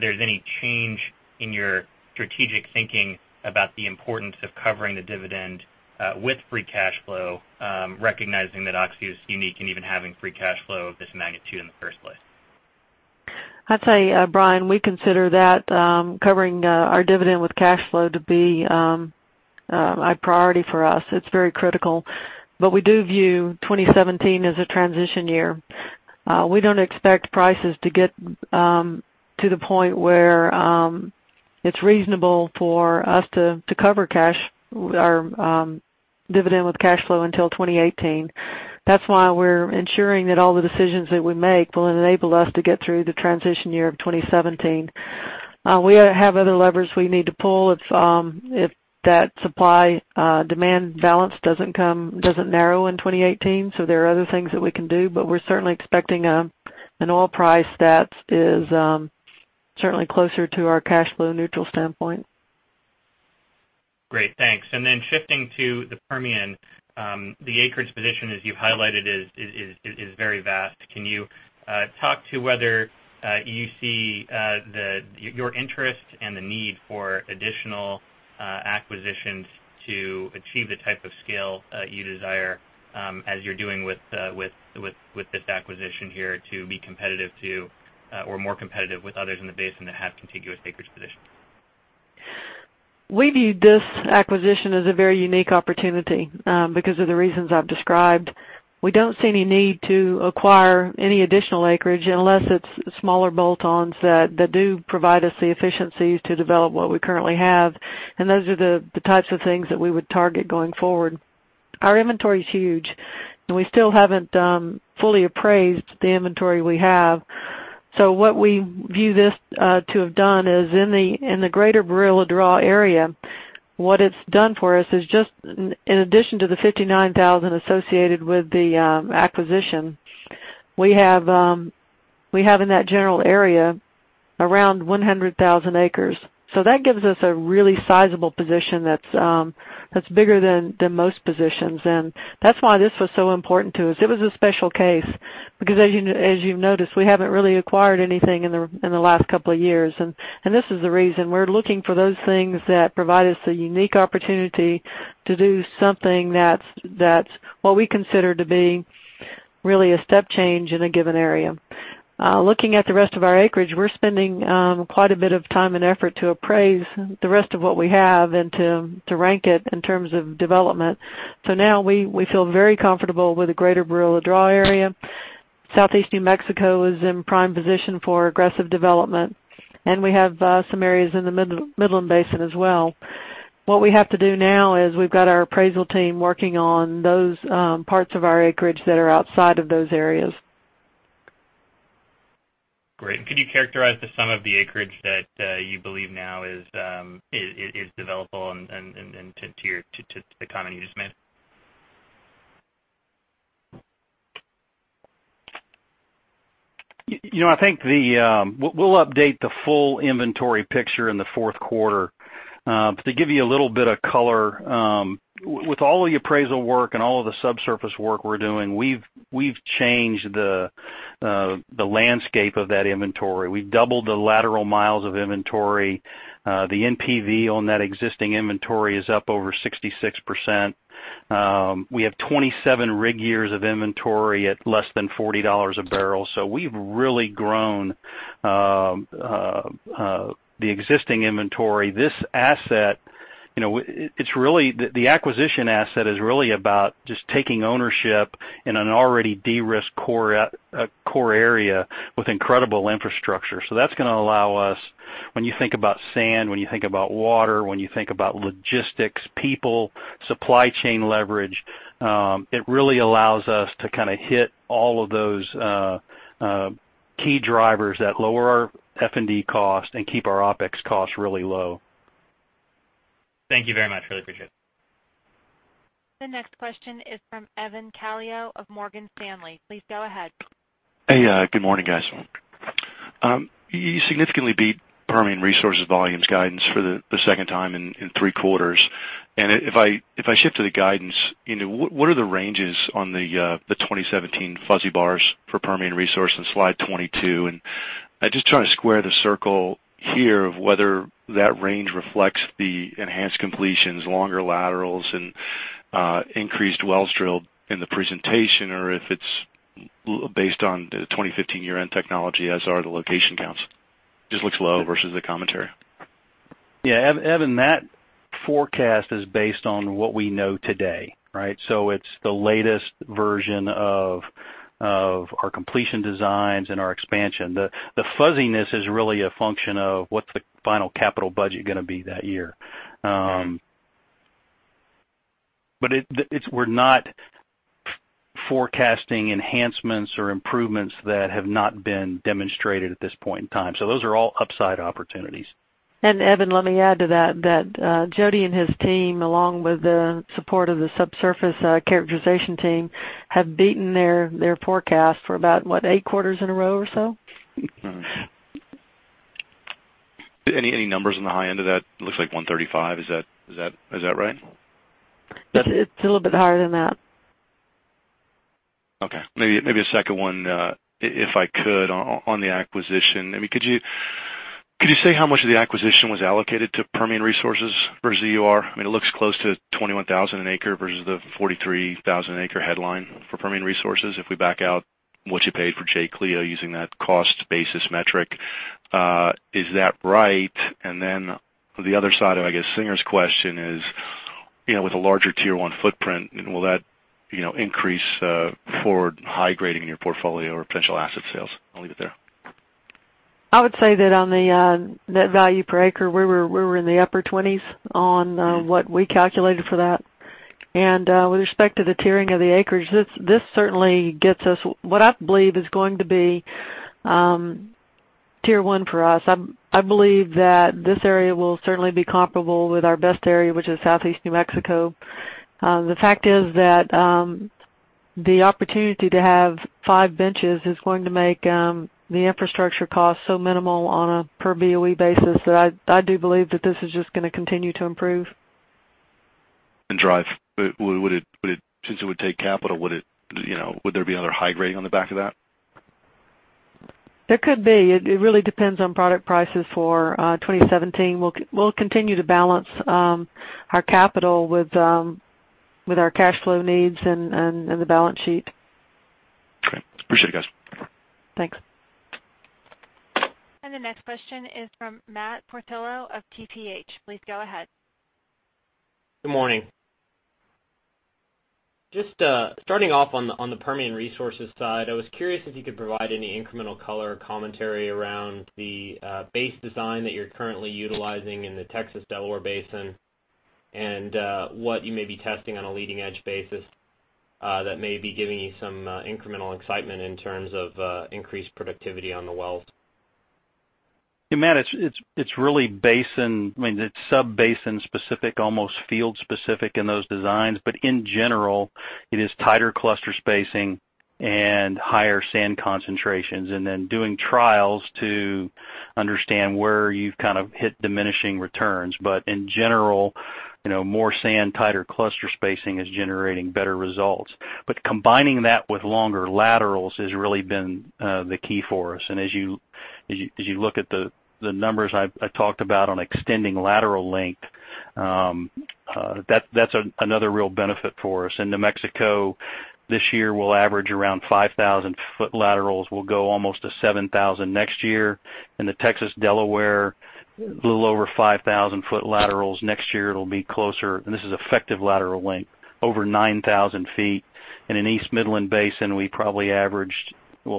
there's any change in your strategic thinking about the importance of covering the dividend with free cash flow, recognizing that Oxy is unique in even having free cash flow of this magnitude in the first place. I'd say, Brian, we consider that covering our dividend with cash flow to be a priority for us. It's very critical. We do view 2017 as a transition year. We don't expect prices to get to the point where it's reasonable for us to cover our dividend with cash flow until 2018. That's why we're ensuring that all the decisions that we make will enable us to get through the transition year of 2017. We have other levers we need to pull if that supply-demand balance doesn't narrow in 2018. There are other things that we can do, but we're certainly expecting an oil price that is certainly closer to our cash flow neutral standpoint. Great, thanks. Shifting to the Permian, the acreage position, as you've highlighted, is very vast. Can you talk to whether you see your interest and the need for additional acquisitions to achieve the type of scale you desire, as you're doing with this acquisition here to be competitive to, or more competitive with others in the basin that have contiguous acreage positions? We view this acquisition as a very unique opportunity because of the reasons I've described. We don't see any need to acquire any additional acreage unless it's smaller bolt-ons that do provide us the efficiencies to develop what we currently have. Those are the types of things that we would target going forward. Our inventory's huge, and we still haven't fully appraised the inventory we have. What we view this to have done is in the Greater Barilla Draw area, what it's done for us is just in addition to the 59,000 associated with the acquisition, we have in that general area around 100,000 acres. That gives us a really sizable position that's bigger than most positions. That's why this was so important to us. It was a special case because as you've noticed, we haven't really acquired anything in the last couple of years, and this is the reason. We're looking for those things that provide us a unique opportunity to do something that's what we consider to be really a step change in a given area. Looking at the rest of our acreage, we're spending quite a bit of time and effort to appraise the rest of what we have and to rank it in terms of development. Now we feel very comfortable with the Greater Barilla Draw area Southeast New Mexico is in prime position for aggressive development, and we have some areas in the Midland Basin as well. What we have to do now is we've got our appraisal team working on those parts of our acreage that are outside of those areas. Great. Could you characterize the sum of the acreage that you believe now is developable and to the comment you just made? I think we'll update the full inventory picture in the fourth quarter. To give you a little bit of color, with all the appraisal work and all of the subsurface work we're doing, we've changed the landscape of that inventory. We've doubled the lateral miles of inventory. The NPV on that existing inventory is up over 66%. We have 27 rig years of inventory at less than $40 a barrel, we've really grown the existing inventory. The acquisition asset is really about just taking ownership in an already de-risked core area with incredible infrastructure. That's going to allow us, when you think about sand, when you think about water, when you think about logistics, people, supply chain leverage, it really allows us to hit all of those key drivers that lower our F&D cost and keep our OpEx costs really low. Thank you very much. Really appreciate it. The next question is from Evan Calio of Morgan Stanley. Please go ahead. Hey, good morning, guys. You significantly beat Permian Resources volumes guidance for the second time in three quarters. If I shift to the guidance, what are the ranges on the 2017 fuzzy bars for Permian Resources on Slide 22? I'm just trying to square the circle here of whether that range reflects the enhanced completions, longer laterals, and increased wells drilled in the presentation, or if it's based on the 2015 year-end technology, as are the location counts. Just looks low versus the commentary. Yeah, Evan, that forecast is based on what we know today. It's the latest version of our completion designs and our expansion. The fuzziness is really a function of what's the final capital budget going to be that year. We're not forecasting enhancements or improvements that have not been demonstrated at this point in time. Those are all upside opportunities. Evan, let me add to that Jody and his team, along with the support of the subsurface characterization team, have beaten their forecast for about, what, eight quarters in a row or so? Any numbers on the high end of that? It looks like 135. Is that right? It's a little bit higher than that. Okay, maybe a second one, if I could, on the acquisition. Could you say how much of the acquisition was allocated to Permian Resources versus EUR? It looks close to $21,000 an acre versus the $43,000 acre headline for Permian Resources, if we back out what you paid for J. Cleo using that cost basis metric. Is that right? The other side of, I guess, Singer's question is, with a larger Tier 1 footprint, will that increase forward high grading in your portfolio or potential asset sales? I'll leave it there. I would say that on the net value per acre, we were in the upper 20s on what we calculated for that. With respect to the tiering of the acreage, this certainly gets us what I believe is going to be Tier 1 for us. I believe that this area will certainly be comparable with our best area, which is Southeast New Mexico. The fact is that the opportunity to have five benches is going to make the infrastructure cost so minimal on a per BOE basis that I do believe that this is just going to continue to improve. Drive. Since it would take capital, would there be another high grade on the back of that? There could be. It really depends on product prices for 2017. We'll continue to balance our capital with our cash flow needs and the balance sheet. Okay. Appreciate it, guys. Thanks. The next question is from Matt Portillo of TPH. Please go ahead. Good morning. Just starting off on the Permian Resources side, I was curious if you could provide any incremental color or commentary around the base design that you're currently utilizing in the Texas-Delaware Basin and what you may be testing on a leading-edge basis that may be giving you some incremental excitement in terms of increased productivity on the wells. Matt, it's sub-basin specific, almost field specific in those designs, in general, it is tighter cluster spacing and higher sand concentrations, and then doing trials to understand where you've hit diminishing returns. In general, more sand, tighter cluster spacing is generating better results. Combining that with longer laterals has really been the key for us. As you look at the numbers I talked about on extending lateral length, that's another real benefit for us. In New Mexico this year, we'll average around 5,000-foot laterals. We'll go almost to 7,000 next year. In the Texas-Delaware, a little over 5,000-foot laterals. Next year, it'll be closer, and this is effective lateral length, over 9,000 feet. In East Midland Basin, we'll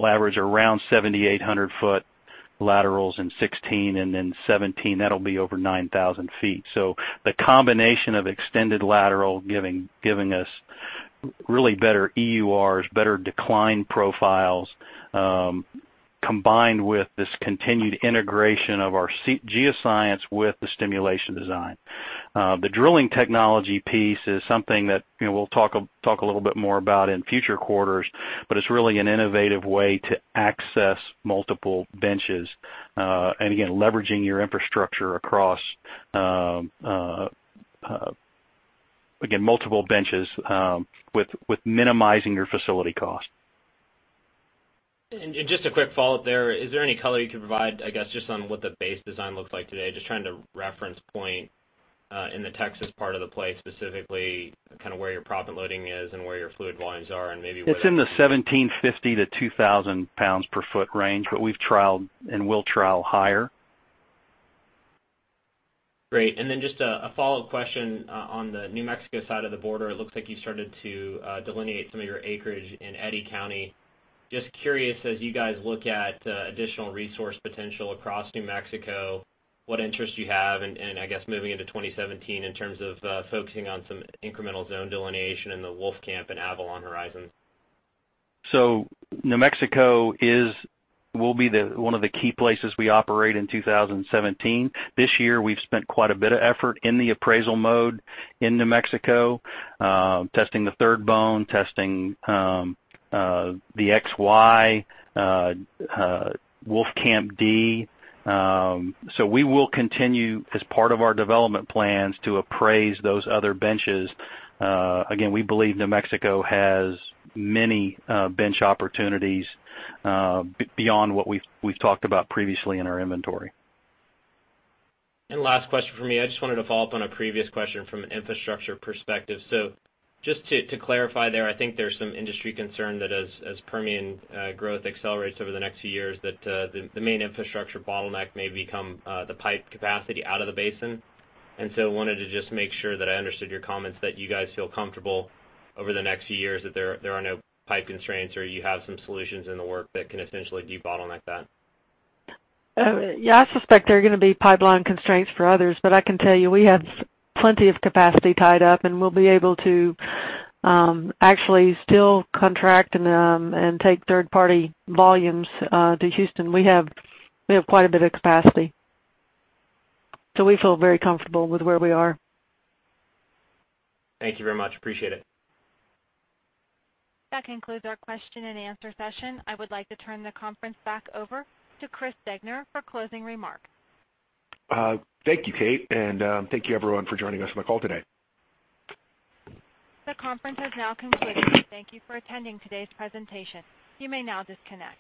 average around 7,800-foot laterals in 2016 and then 2017, that'll be over 9,000 feet. The combination of extended lateral giving us really better EURs, better decline profiles, combined with this continued integration of our geoscience with the stimulation design. The drilling technology piece is something that we'll talk a little bit more about in future quarters, but it's really an innovative way to access multiple benches. Again, leveraging your infrastructure across, again, multiple benches with minimizing your facility cost. Just a quick follow-up there. Is there any color you can provide, I guess, just on what the base design looks like today? Just trying to reference point in the Texas part of the play, specifically where your proppant loading is and where your fluid volumes are. It's in the 1750 to 2,000 pounds per foot range, but we've trialed and will trial higher. Great. Just a follow-up question on the New Mexico side of the border. It looks like you started to delineate some of your acreage in Eddy County. Just curious, as you guys look at additional resource potential across New Mexico, what interest you have and, I guess, moving into 2017 in terms of focusing on some incremental zone delineation in the Wolfcamp and Avalon horizon. New Mexico will be one of the key places we operate in 2017. This year, we've spent quite a bit of effort in the appraisal mode in New Mexico, testing the Third Bone, testing the XY, Wolfcamp D. We will continue, as part of our development plans, to appraise those other benches. Again, we believe New Mexico has many bench opportunities beyond what we've talked about previously in our inventory. Last question from me. I just wanted to follow up on a previous question from an infrastructure perspective. Just to clarify there, I think there's some industry concern that as Permian growth accelerates over the next few years, that the main infrastructure bottleneck may become the pipe capacity out of the basin. I wanted to just make sure that I understood your comments that you guys feel comfortable over the next few years that there are no pipe constraints, or you have some solutions in the work that can essentially de-bottleneck that. Yeah, I suspect there are going to be pipeline constraints for others, but I can tell you, we have plenty of capacity tied up, and we'll be able to actually still contract and take third-party volumes to Houston. We have quite a bit of capacity. We feel very comfortable with where we are. Thank you very much. Appreciate it. That concludes our question and answer session. I would like to turn the conference back over to Chris Degner for closing remarks. Thank you, Kate. Thank you everyone for joining us on the call today. The conference has now concluded. Thank you for attending today's presentation. You may now disconnect.